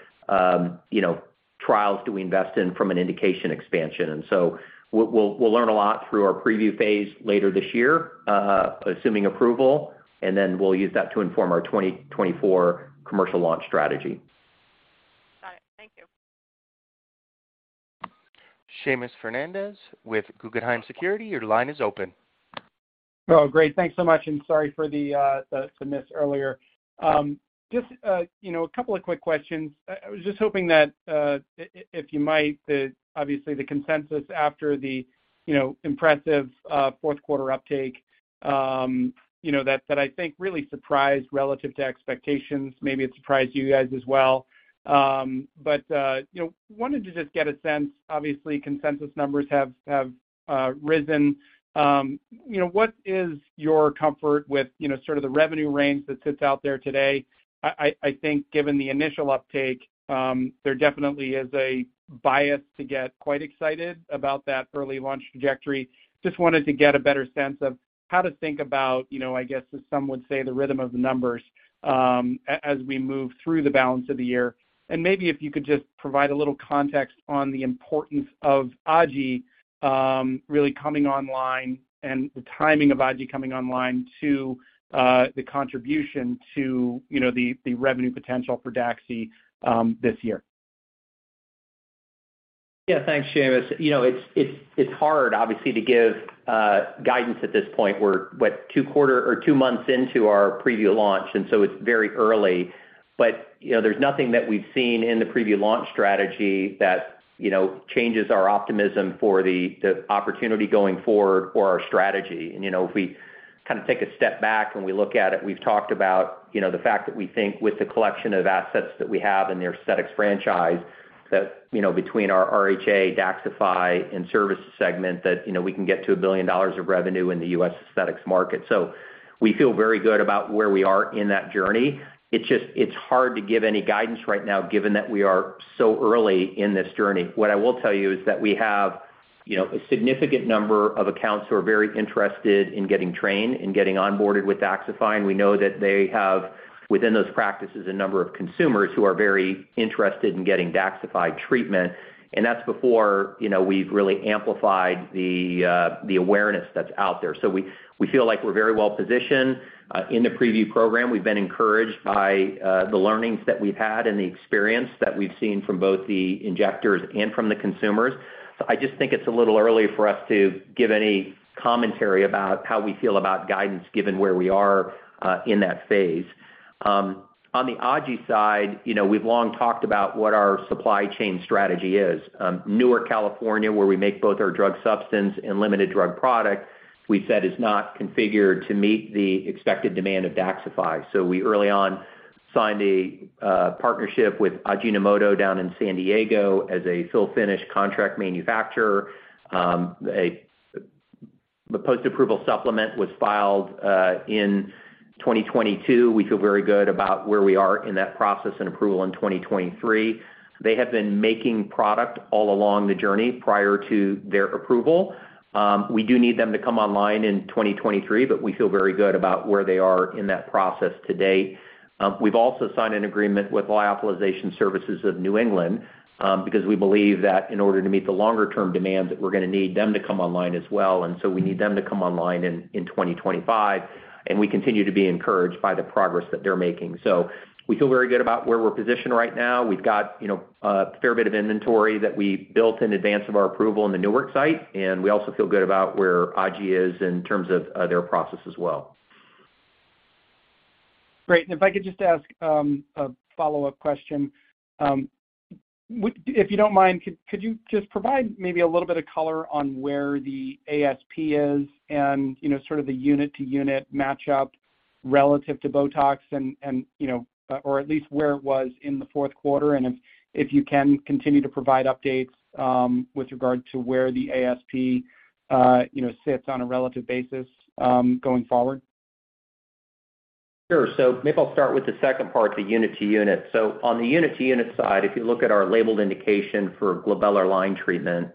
you know, trials do we invest in from an indication expansion. We'll learn a lot through our preview phase later this year, assuming approval, and then we'll use that to inform our 2024 commercial launch strategy. Got it. Thank you. Seamus Fernandez with Guggenheim Securities, your line is open. Great. Thanks so much. Sorry for the miss earlier. Just, you know, a couple of quick questions. I was just hoping that if you might, obviously the consensus after the, you know, impressive fourth quarter uptake, you know, that I think really surprised relative to expectations, maybe it surprised you guys as well. You know, wanted to just get a sense, obviously, consensus numbers have risen. You know, what is your comfort with, you know, sort of the revenue range that sits out there today? I think given the initial uptake, there definitely is a bias to get quite excited about that early launch trajectory. Just wanted to get a better sense of how to think about, you know, I guess, as some would say, the rhythm of the numbers, as we move through the balance of the year. Maybe if you could just provide a little context on the importance of OPUL, really coming online and the timing of OPUL coming online to the contribution to, you know, the revenue potential for DAXXI this year. Yeah. Thanks, Seamus. You know, it's hard obviously to give guidance at this point. We're, what, two months into our preview launch. It's very early. You know, there's nothing that we've seen in the preview launch strategy that, you know, changes our optimism for the opportunity going forward or our strategy. You know, if we kind of take a step back when we look at it, we've talked about, you know, the fact that we think with the collection of assets that we have in the aesthetics franchise that, you know, between our RHA, DAXXIFY, and service segment, that, you know, we can get to $1 billion of revenue in the U.S. aesthetics market. We feel very good about where we are in that journey. It's just, it's hard to give any guidance right now given that we are so early in this journey. What I will tell you is that we have, you know, a significant number of accounts who are very interested in getting trained and getting onboarded with DAXXIFY. We know that they have, within those practices, a number of consumers who are very interested in getting DAXXIFY treatment. That's before, you know, we've really amplified the awareness that's out there. We feel like we're very well positioned in the preview program. We've been encouraged by the learnings that we've had and the experience that we've seen from both the injectors and from the consumers. I just think it's a little early for us to give any commentary about how we feel about guidance given where we are in that phase. On the AJI side, you know, we've long talked about what our supply chain strategy is. Newark, California, where we make both our drug substance and limited drug product, we said is not configured to meet the expected demand of DAXXIFY. We early on signed a partnership with Ajinomoto down in San Diego as a fill-finish contract manufacturer. The post-approval supplement was filed in 2022. We feel very good about where we are in that process and approval in 2023. They have been making product all along the journey prior to their approval. We do need them to come online in 2023, but we feel very good about where they are in that process to date. We've also signed an agreement with Lyophilization Services of New England because we believe that in order to meet the longer-term demand, that we're gonna need them to come online as well. We need them to come online in 2025, and we continue to be encouraged by the progress that they're making. We feel very good about where we're positioned right now. We've got, you know, a fair bit of inventory that we built in advance of our approval in the Newark site. We also feel good about where AJI is in terms of their process as well. Great. If I could just ask, a follow-up question. If you don't mind, could you just provide maybe a little bit of color on where the ASP is and, you know, sort of the unit-to-unit match-up relative to Botox and, you know, or at least where it was in the fourth quarter? If you can continue to provide updates with regard to where the ASP, you know, sits on a relative basis going forward? Sure. Maybe I'll start with the second part, the unit-to-unit. On the unit-to-unit side, if you look at our labeled indication for glabellar lines treatment,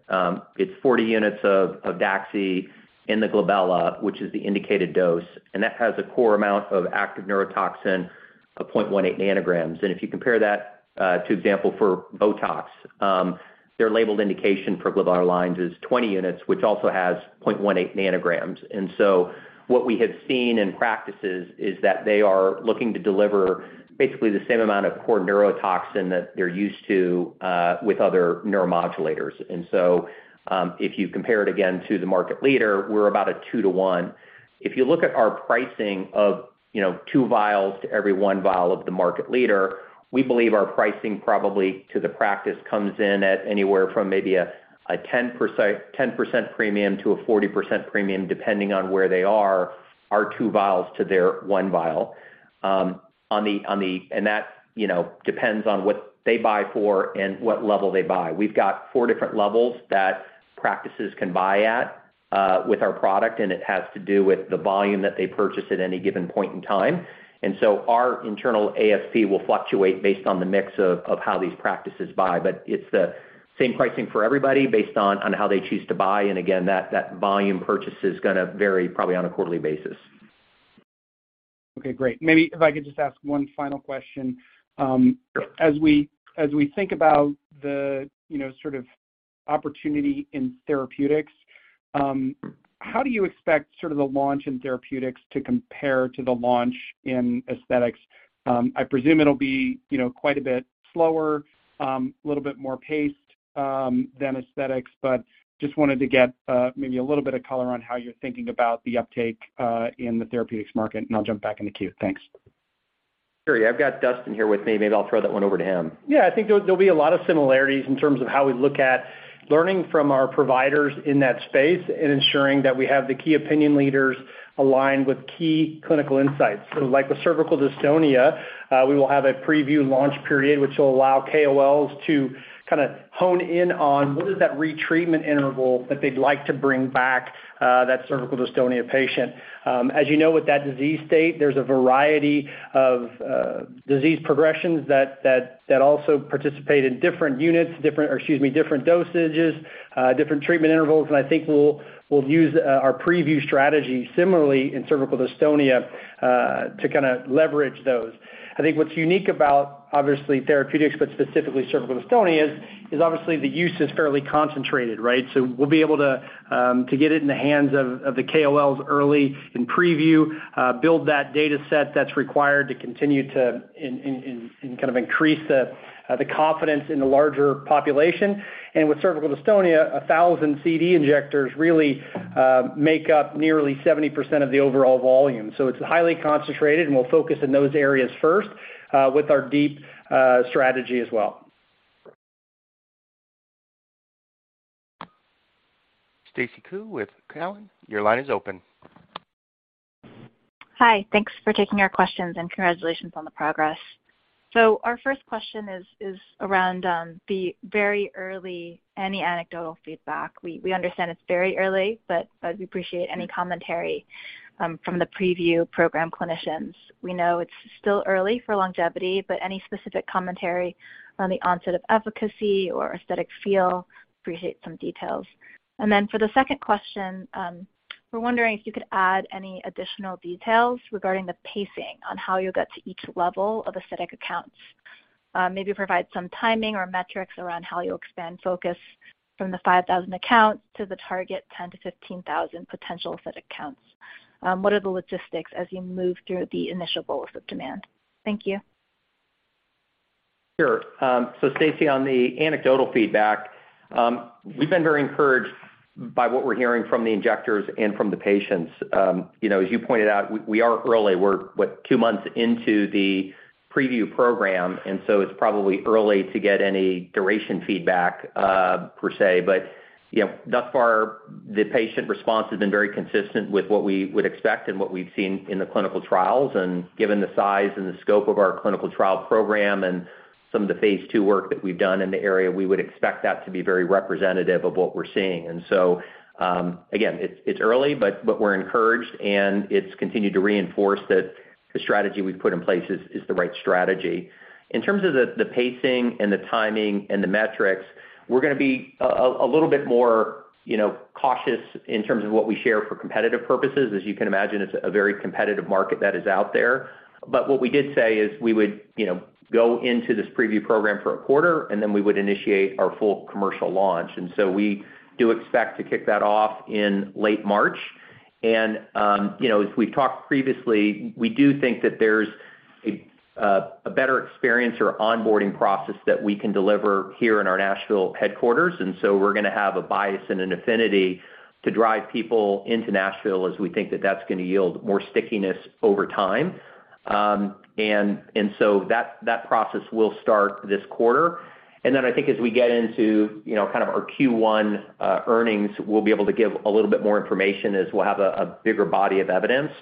it's 40 units of DAXI in the glabella, which is the indicated dose. That has a core amount of active neurotoxin of 0.18 nanograms. If you compare that, to example, for Botox, their labeled indication for glabellar lines is 20 units, which also has 0.18 nanograms. What we have seen in practices is that they are looking to deliver basically the same amount of core neurotoxin that they're used to with other neuromodulators. If you compare it again to the market leader, we're about a two to one. If you look at our pricing of, you know, two vials to every one vial of the market leader, we believe our pricing probably to the practice comes in at anywhere from maybe a 10% premium to a 40% premium depending on where they are, our 2 vials to their 1 vial. That, you know, depends on what they buy for and what level they buy. We've got 4 different levels that practices can buy at with our product, and it has to do with the volume that they purchase at any given point in time. Our internal ASP will fluctuate based on the mix of how these practices buy. It's the same pricing for everybody based on how they choose to buy. again, that volume purchase is gonna vary probably on a quarterly basis. Okay, great. Maybe if I could just ask one final question. Sure. As we think about the, you know, sort of opportunity in therapeutics, how do you expect sort of the launch in therapeutics to compare to the launch in aesthetics? I presume it'll be, you know, quite a bit slower, a little bit more paced, than aesthetics, but just wanted to get maybe a little bit of color on how you're thinking about the uptake in the therapeutics market, I'll jump back in the queue. Thanks. Sure. I've got Dustin here with me. Maybe I'll throw that one over to him. Yeah. I think there'll be a lot of similarities in terms of how we look at learning from our providers in that space and ensuring that we have the key opinion leaders aligned with key clinical insights. Like with cervical dystonia, we will have a preview launch period, which will allow KOLs to kinda hone in on what is that retreatment interval that they'd like to bring back that cervical dystonia patient. As you know, with that disease state, there's a variety of disease progressions that also participate in different units, different dosages, different treatment intervals. I think we'll use our preview strategy similarly in cervical dystonia to kinda leverage those. I think what's unique about obviously therapeutics, but specifically cervical dystonia is obviously the use is fairly concentrated, right? We'll be able to get it in the hands of the KOLs early in preview, build that data set that's required to continue to and kind of increase the confidence in the larger population. With cervical dystonia, 1,000 CD injectors really make up nearly 70% of the overall volume. It's highly concentrated, and we'll focus in those areas first, with our deep strategy as well. Stacy Ku with Cowen, your line is open. Hi. Thanks for taking our questions, congratulations on the progress. Our first question is around the very early, any anecdotal feedback. We understand it's very early, but we appreciate any commentary from the preview program clinicians. We know it's still early for longevity, but any specific commentary on the onset of efficacy or aesthetic feel, appreciate some details. For the second question, we're wondering if you could add any additional details regarding the pacing on how you'll get to each level of aesthetic accounts. Maybe provide some timing or metrics around how you'll expand focus from the 5,000 accounts to the target 10,000-15,000 potential aesthetic accounts. What are the logistics as you move through the initial goals of demand? Thank you. Sure. Stacy, on the anecdotal feedback, we've been very encouraged by what we're hearing from the injectors and from the patients. You know, as you pointed out, we are early. We're, what? 2 months into the preview program, and so it's probably early to get any duration feedback, per se. You know, thus far, the patient response has been very consistent with what we would expect and what we've seen in the clinical trials. Given the size and the scope of our clinical trial program and some of the phase two work that we've done in the area, we would expect that to be very representative of what we're seeing. Again, it's early, but we're encouraged, and it's continued to reinforce that the strategy we've put in place is the right strategy. In terms of the pacing and the timing and the metrics, we're gonna be a little bit more, you know, cautious in terms of what we share for competitive purposes. As you can imagine, it's a very competitive market that is out there. What we did say is we would, you know, go into this preview program for a quarter, and then we would initiate our full commercial launch. We do expect to kick that off in late March. You know, as we've talked previously, we do think that there's a better experience or onboarding process that we can deliver here in our Nashville headquarters. We're gonna have a bias and an affinity to drive people into Nashville as we think that that's gonna yield more stickiness over time. And so that process will start this quarter. Then I think as we get into, you know, kind of our Q1 earnings, we'll be able to give a little bit more information as we'll have a bigger body of evidence.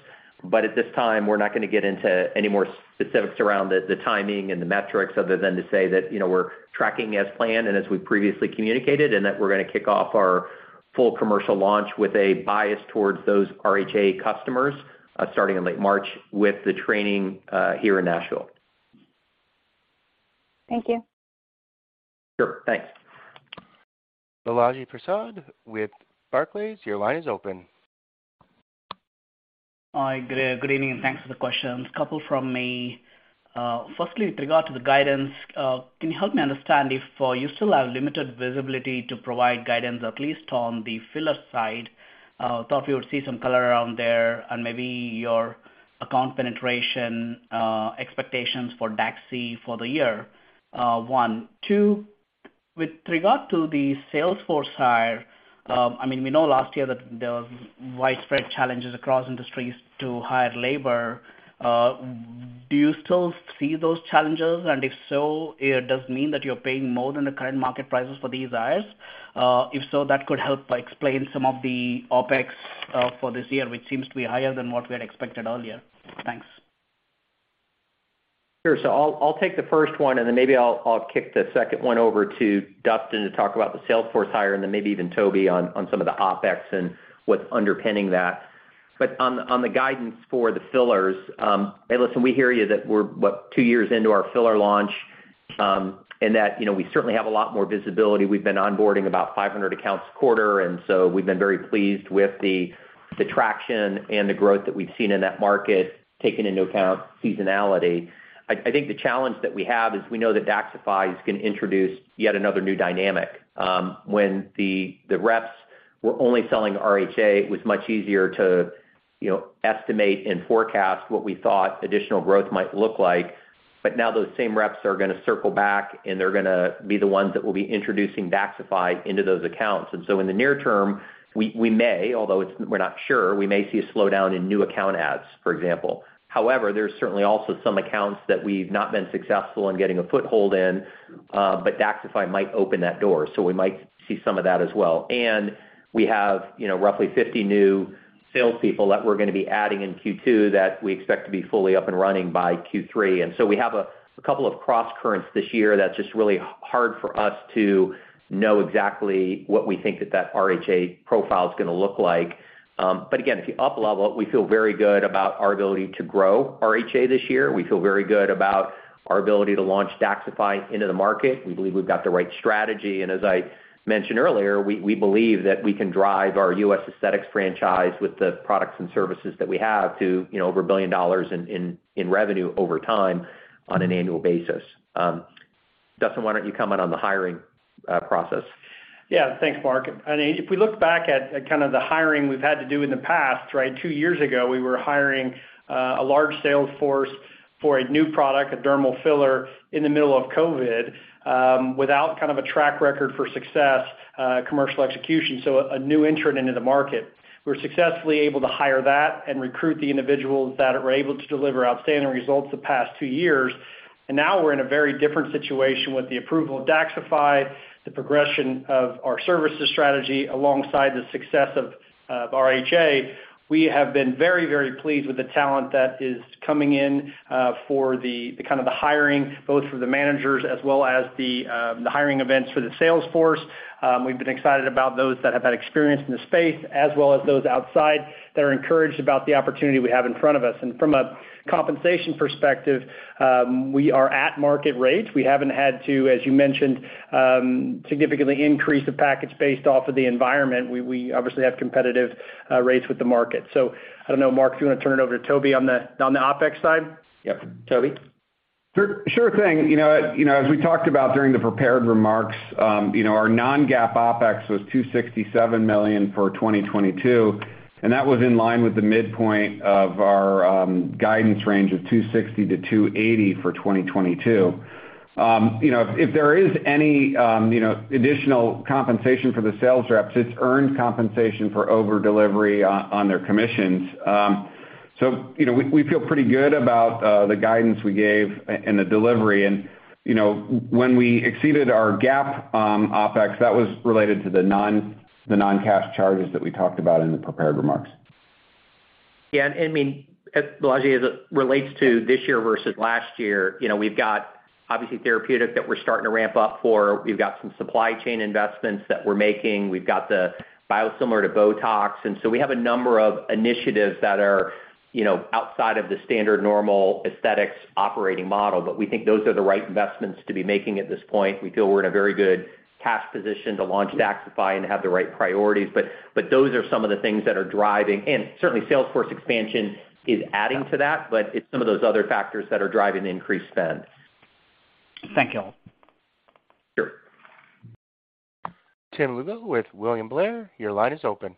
At this time, we're not gonna get into any more specifics around the timing and the metrics other than to say that, you know, we're tracking as planned and as we previously communicated, and that we're gonna kick off our full commercial launch with a bias towards those RHA customers, starting in late March with the training here in Nashville. Thank you. Sure. Thanks. Balaji Prasad with Barclays, your line is open. Hi. Good evening, and thanks for the questions. A couple from me. firstly, with regard to the guidance. Can you help me understand if you still have limited visibility to provide guidance, at least on the filler side? Thought we would see some color around there and maybe your account penetration, expectations for DAXI for the year, one. Two, with regard to the sales force hire, I mean, we know last year that there was widespread challenges across industries to hire labor. Do you still see those challenges? If so, does it mean that you're paying more than the current market prices for these hires? If so, that could help explain some of the OpEx for this year, which seems to be higher than what we had expected earlier. Thanks. Sure. I'll take the first one, and then maybe I'll kick the second one over to Dustin to talk about the sales force hire and then maybe even Tobin on some of the OpEx and what's underpinning that. On the guidance for the fillers, hey, listen, we hear you that we're what? 2 years into our filler launch, and that, you know, we certainly have a lot more visibility. We've been onboarding about 500 accounts a quarter, we've been very pleased with the traction and the growth that we've seen in that market, taking into account seasonality. I think the challenge that we have is we know that DAXXIFY is gonna introduce yet another new dynamic. When the reps were only selling RHA, it was much easier to, you know, estimate and forecast what we thought additional growth might look like. Now those same reps are gonna circle back, and they're gonna be the ones that will be introducing DAXXIFY into those accounts. In the near term, we may, although we're not sure, we may see a slowdown in new account adds, for example. However, there's certainly also some accounts that we've not been successful in getting a foothold in, but DAXXIFY might open that door, so we might see some of that as well. We have, you know, roughly 50 new salespeople that we're gonna be adding in Q2 that we expect to be fully up and running by Q3. We have a couple of crosscurrents this year that's just really hard for us to know exactly what we think that RHA profile is gonna look like. But again, if you up level it, we feel very good about our ability to grow RHA this year. We feel very good about our ability to launch DAXXIFY into the market. We believe we've got the right strategy. As I mentioned earlier, we believe that we can drive our U.S. aesthetics franchise with the products and services that we have to, you know, over $1 billion in revenue over time on an annual basis. Dustin, why don't you comment on the hiring process? Thanks, Mark. I mean, if we look back at kind of the hiring we've had to do in the past, right? Two years ago, we were hiring a large sales force for a new product, a dermal filler, in the middle of COVID, without kind of a track record for success, commercial execution, so a new entrant into the market. We were successfully able to hire that and recruit the individuals that were able to deliver outstanding results the past two years. Now we're in a very different situation with the approval of DAXXIFY, the progression of our services strategy alongside the success of RHA. We have been very, very pleased with the talent that is coming in for the kind of the hiring, both for the managers as well as the hiring events for the sales force. We've been excited about those that have had experience in the space as well as those outside that are encouraged about the opportunity we have in front of us. From a compensation perspective, we are at market rates. We haven't had to, as you mentioned, significantly increase the package based off of the environment. We obviously have competitive rates with the market. I don't know, Mark, do you wanna turn it over to Tobin on the OpEx side? Yep. Tobin? Sure, sure thing. You know, you know, as we talked about during the prepared remarks, you know, our non-GAAP OpEx was $267 million for 2022, and that was in line with the midpoint of our guidance range of $260 million-$280 million for 2022. If, you know, if there is any, you know, additional compensation for the sales reps, it's earned compensation for over-delivery on their commissions. We, you know, we feel pretty good about the guidance we gave and the delivery. You know, when we exceeded our GAAP OpEx, that was related to the non-cash charges that we talked about in the prepared remarks. I mean, as Balaji, as it relates to this year versus last year, you know, we've got obviously therapeutic that we're starting to ramp up for. We've got some supply chain investments that we're making. We've got the biosimilar to Botox. We have a number of initiatives that are, you know, outside of the standard normal aesthetics operating model. We think those are the right investments to be making at this point. We feel we're in a very good cash position to launch DAXXIFY and have the right priorities. Those are some of the things that are driving... Certainly, sales force expansion is adding to that, but it's some of those other factors that are driving the increased spend. Thank you. Sure. Tim Lugo with William Blair, your line is open.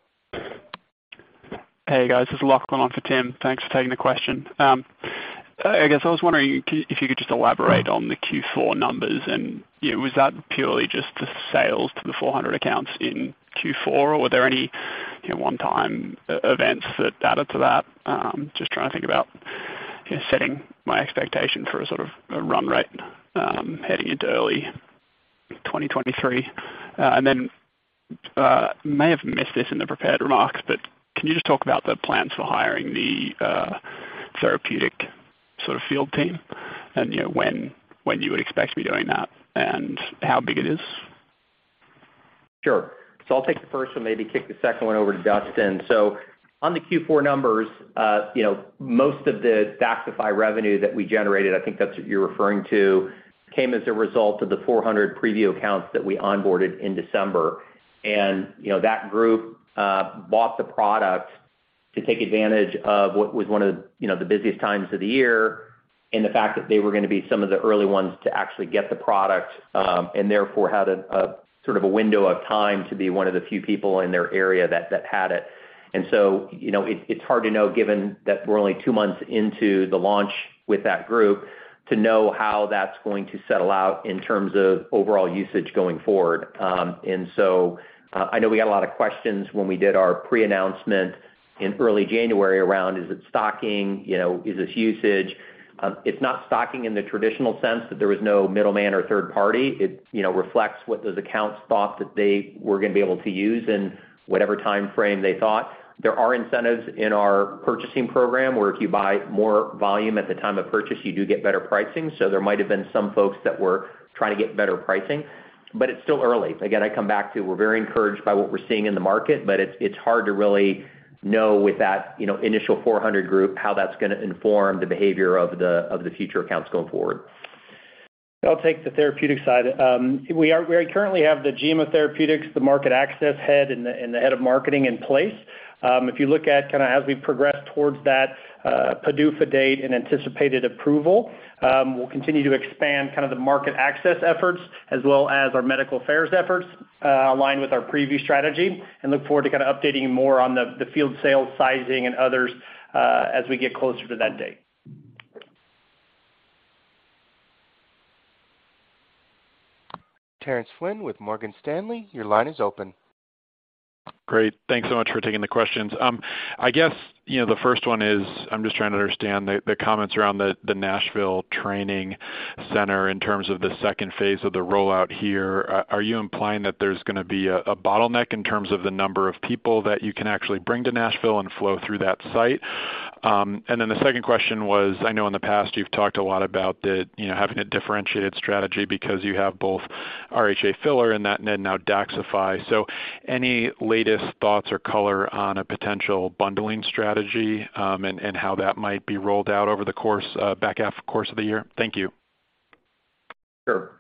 Hey, guys. This is Lachlan on for Tim. Thanks for taking the question. I guess I was wondering if you could just elaborate on the Q4 numbers and, you know, was that purely just the sales to the 400 accounts in Q4, or were there any, you know, one-time events that added to that? Just trying to think about, you know, setting my expectation for a sort of a run rate, heading into early 2023. May have missed this in the prepared remarks, but can you just talk about the plans for hiring the therapeutic sort of field team and, you know, when you would expect to be doing that and how big it is? Sure. I'll take the first one, maybe kick the second one over to Dustin Sjuts. On the Q4 numbers, you know, most of the DAXXIFY revenue that we generated, I think that's what you're referring to, came as a result of the 400 preview accounts that we onboarded in December. You know, that group bought the product to take advantage of what was one of the, you know, the busiest times of the year and the fact that they were gonna be some of the early ones to actually get the product, and therefore had a sort of a window of time to be one of the few people in their area that had it. You know, it's hard to know, given that we're only two months into the launch with that group, to know how that's going to settle out in terms of overall usage going forward. I know we got a lot of questions when we did our pre-announcement in early January around, is it stocking? You know, is this usage? It's not stocking in the traditional sense that there was no middleman or third party. It, you know, reflects what those accounts thought that they were gonna be able to use in whatever timeframe they thought. There are incentives in our purchasing program where if you buy more volume at the time of purchase, you do get better pricing. There might have been some folks that were trying to get better pricing, but it's still early. I come back to we're very encouraged by what we're seeing in the market, but it's hard to really know with that, you know, initial 400 group how that's gonna inform the behavior of the future accounts going forward. I'll take the therapeutic side. We currently have the GM of therapeutics, the market access head, and the head of marketing in place. If you look at kinda as we progress towards that PDUFA date and anticipated approval, we'll continue to expand kind of the market access efforts as well as our medical affairs efforts, aligned with our preview strategy and look forward to kinda updating you more on the field sales sizing and others, as we get closer to that date. Terence Flynn with Morgan Stanley, your line is open. Great. Thanks so much for taking the questions. I guess, you know, the first one is, I'm just trying to understand the comments around the Nashville training center in terms of the second phase of the rollout here. Are you implying that there's gonna be a bottleneck in terms of the number of people that you can actually bring to Nashville and flow through that site? The second question was, I know in the past you've talked a lot about the, you know, having a differentiated strategy because you have both RHA filler and that and then now DAXXIFY. Latest thoughts or color on a potential bundling strategy, and how that might be rolled out over the course, back half course of the year? Thank you. Sure.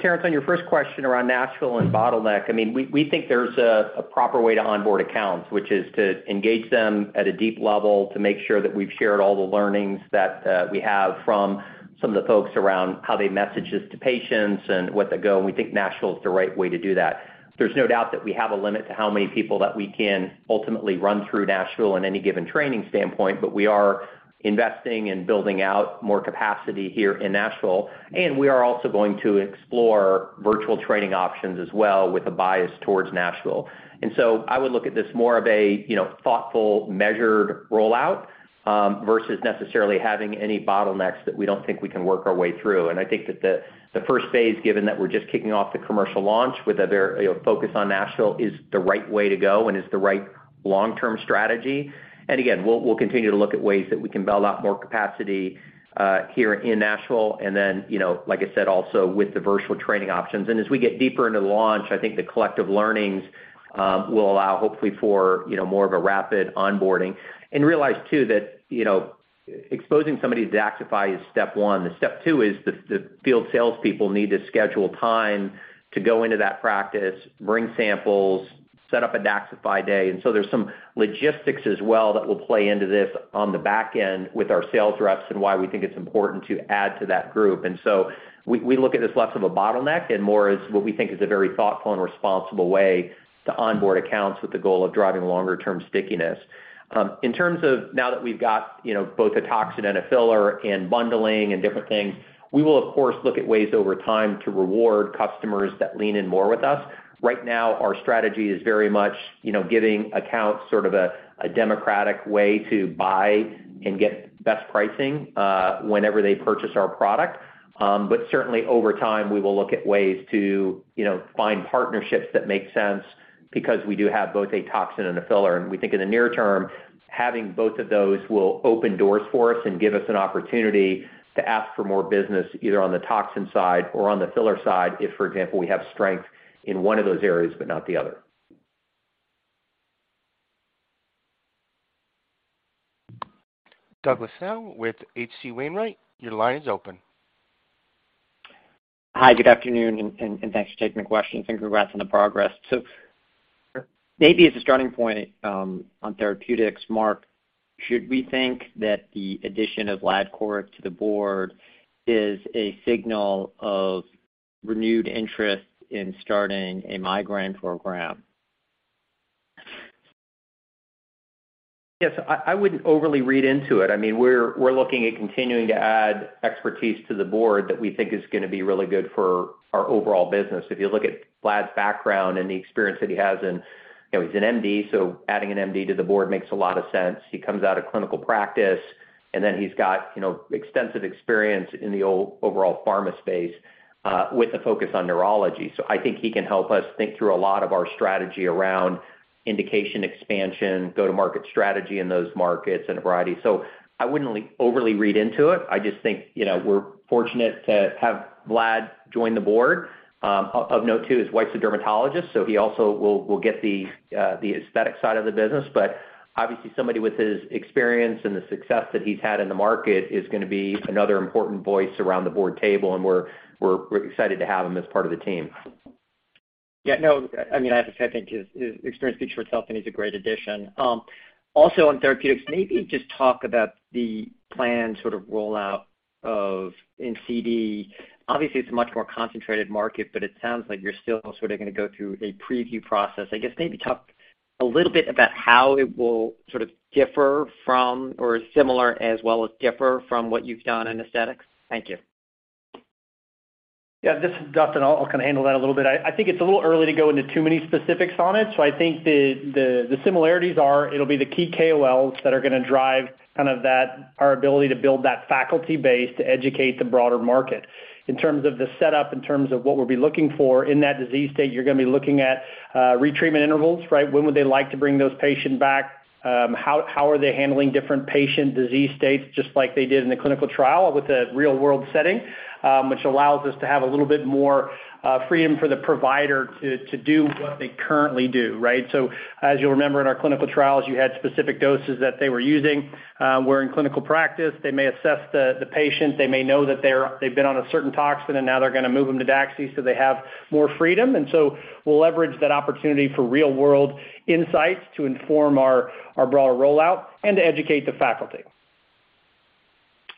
Terence, on your first question around Nashville and bottleneck, we think there's a proper way to onboard accounts, which is to engage them at a deep level to make sure that we've shared all the learnings that we have from some of the folks around how they message this to patients and we think Nashville is the right way to do that. There's no doubt that we have a limit to how many people that we can ultimately run through Nashville in any given training standpoint, but we are investing in building out more capacity here in Nashville. We are also going to explore virtual training options as well with a bias towards Nashville. I would look at this more of a, you know, thoughtful, measured rollout, versus necessarily having any bottlenecks that we don't think we can work our way through. I think that the first phase, given that we're just kicking off the commercial launch with a, you know, focus on Nashville is the right way to go and is the right long-term strategy. Again, we'll continue to look at ways that we can build out more capacity, here in Nashville. Then, you know, like I said, also with the virtual training options. As we get deeper into the launch, I think the collective learnings, will allow hopefully for, you know, more of a rapid onboarding. Realize too that, you know, exposing somebody to DAXXIFY is step one. The step two is the field salespeople need to schedule time to go into that practice, bring samples, set up a DAXXIFY day. There's some logistics as well that will play into this on the back end with our sales reps and why we think it's important to add to that group. We look at this less of a bottleneck and more as what we think is a very thoughtful and responsible way to onboard accounts with the goal of driving longer term stickiness. In terms of now that we've got, you know, both a toxin and a filler and bundling and different things, we will of course look at ways over time to reward customers that lean in more with us. Right now, our strategy is very much, you know, giving accounts sort of a democratic way to buy and get best pricing, whenever they purchase our product. Certainly over time, we will look at ways to, you know, find partnerships that make sense because we do have both a toxin and a filler. We think in the near term, having both of those will open doors for us and give us an opportunity to ask for more business, either on the toxin side or on the filler side, if, for example, we have strength in one of those areas but not the other. Douglas Tsao with H.C. Wainwright, your line is open. Hi, good afternoon and thanks for taking the question and congrats on the progress. Sure. Maybe as a starting point, on therapeutics, Mark, should we think that the addition of Vlad Coric to the board is a signal of renewed interest in starting a migraine program? Yes, I wouldn't overly read into it. I mean, we're looking at continuing to add expertise to the board that we think is gonna be really good for our overall business. If you look at Vlad's background and the experience that he has in, you know, he's an MD, so adding an MD to the board makes a lot of sense. He comes out of clinical practice, and then he's got, you know, extensive experience in the overall pharma space with a focus on neurology. I think he can help us think through a lot of our strategy around indication expansion, go-to-market strategy in those markets and a variety. I wouldn't overly read into it. I just think, you know, we're fortunate to have Vlad join the board. Of note too is wife's a dermatologist, so he also will get the aesthetic side of the business. Obviously somebody with his experience and the success that he's had in the market is gonna be another important voice around the board table, and we're excited to have him as part of the team. Yeah, no, I mean, I have to say, I think his experience speaks for itself, and he's a great addition. Also on therapeutics, maybe just talk about the planned sort of rollout of NCD. Obviously, it's a much more concentrated market, but it sounds like you're still sort of gonna go through a preview process. I guess maybe talk a little bit about how it will sort of differ from or similar as well as differ from what you've done in aesthetics. Thank you. This is Dustin. I'll kind of handle that a little bit. I think it's a little early to go into too many specifics on it. I think the similarities are it'll be the key KOLs that are gonna drive kind of that, our ability to build that faculty base to educate the broader market. In terms of the setup, in terms of what we'll be looking for in that disease state, you're gonna be looking at retreatment intervals, right? When would they like to bring those patient back? How are they handling different patient disease states just like they did in the clinical trial with a real world setting, which allows us to have a little bit more freedom for the provider to do what they currently do, right? As you'll remember in our clinical trials, you had specific doses that they were using. Where in clinical practice they may assess the patient, they may know that they've been on a certain toxin, and now they're gonna move them to DAXI, so they have more freedom. We'll leverage that opportunity for real world insights to inform our broader rollout and to educate the faculty.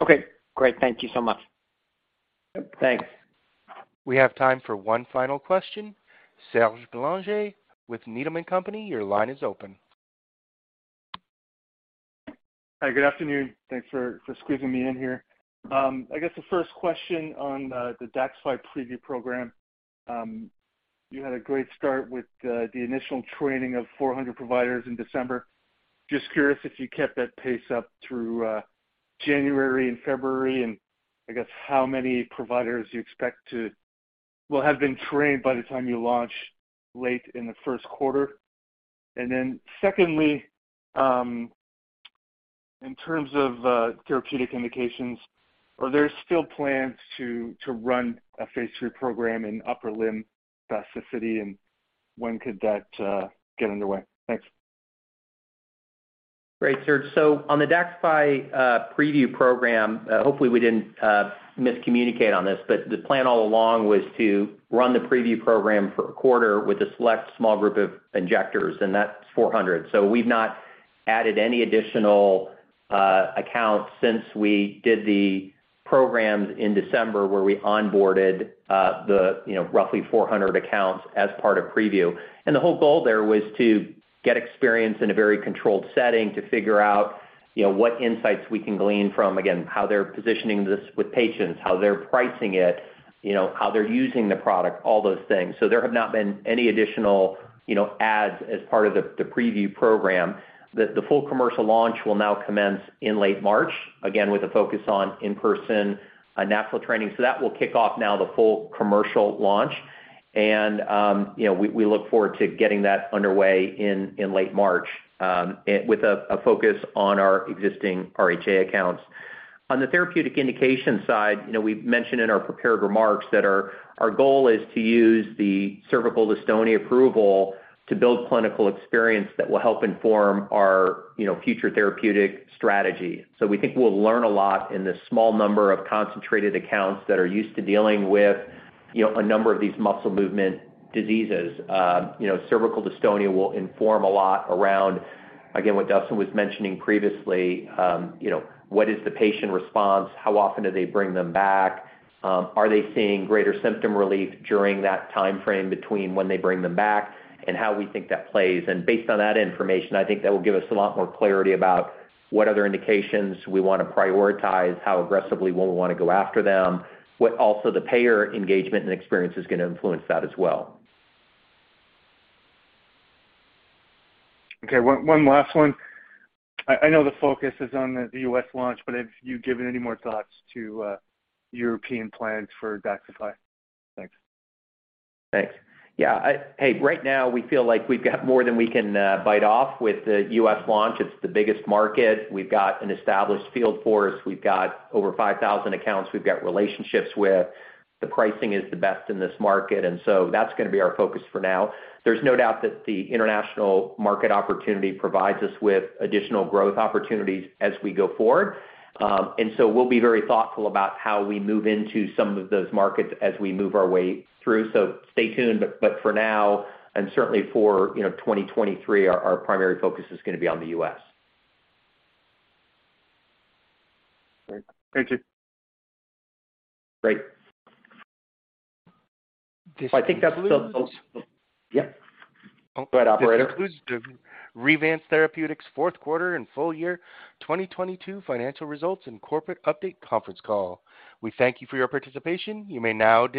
Okay, great. Thank you so much. Thanks. We have time for one final question. Serge Belanger with Needham & Company, your line is open. Hi, good afternoon. Thanks for squeezing me in here. I guess the first question on the DAXXIFY preview program. You had a great start with the initial training of 400 providers in December. Just curious if you kept that pace up through January and February, and I guess how many providers you expect to will have been trained by the time you launch late in the first quarter? Secondly, in terms of therapeutic indications, are there still plans to run a phase III program in upper limb spasticity, and when could that get underway? Thanks. Great, Serge. On the DAXXIFY preview program, hopefully we didn't miscommunicate on this, but the plan all along was to run the preview program for a quarter with a select small group of injectors, and that's 400. We've not added any additional accounts since we did the program in December, where we onboarded, you know, roughly 400 accounts as part of preview. The whole goal there was to get experience in a very controlled setting to figure out, you know, what insights we can glean from, again, how they're positioning this with patients, how they're pricing it, you know, how they're using the product, all those things. There have not been any additional, you know, adds as part of the preview program. The full commercial launch will now commence in late March, again, with a focus on in-person Nashville training. That will kick off now the full commercial launch. You know, we look forward to getting that underway in late March with a focus on our existing RHA accounts. On the therapeutic indication side, you know, we've mentioned in our prepared remarks that our goal is to use the cervical dystonia approval to build clinical experience that will help inform our, you know, future therapeutic strategy. We think we'll learn a lot in this small number of concentrated accounts that are used to dealing with, you know, a number of these muscle movement diseases. You know, cervical dystonia will inform a lot around, again, what Dustin was mentioning previously, you know, what is the patient response? How often do they bring them back? Are they seeing greater symptom relief during that timeframe between when they bring them back? How we think that plays. Based on that information, I think that will give us a lot more clarity about what other indications we wanna prioritize, how aggressively will we wanna go after them. What also the payer engagement and experience is gonna influence that as well. Okay, one last one. I know the focus is on the U.S. launch, but have you given any more thoughts to European plans for DAXXIFY? Thanks. Thanks. Yeah, right now, we feel like we've got more than we can bite off with the U.S. launch. It's the biggest market. We've got an established field force. We've got over 5,000 accounts we've got relationships with. The pricing is the best in this market. That's gonna be our focus for now. There's no doubt that the international market opportunity provides us with additional growth opportunities as we go forward. We'll be very thoughtful about how we move into some of those markets as we move our way through. Stay tuned. But for now, and certainly for, you know, 2023, our primary focus is gonna be on the U.S. Great. Thank you. Great. I think that's the close. Yep. Go ahead, operator. This concludes Revance Therapeutics' fourth quarter and full year 2022 financial results and corporate update conference call. We thank you for your participation. You may now.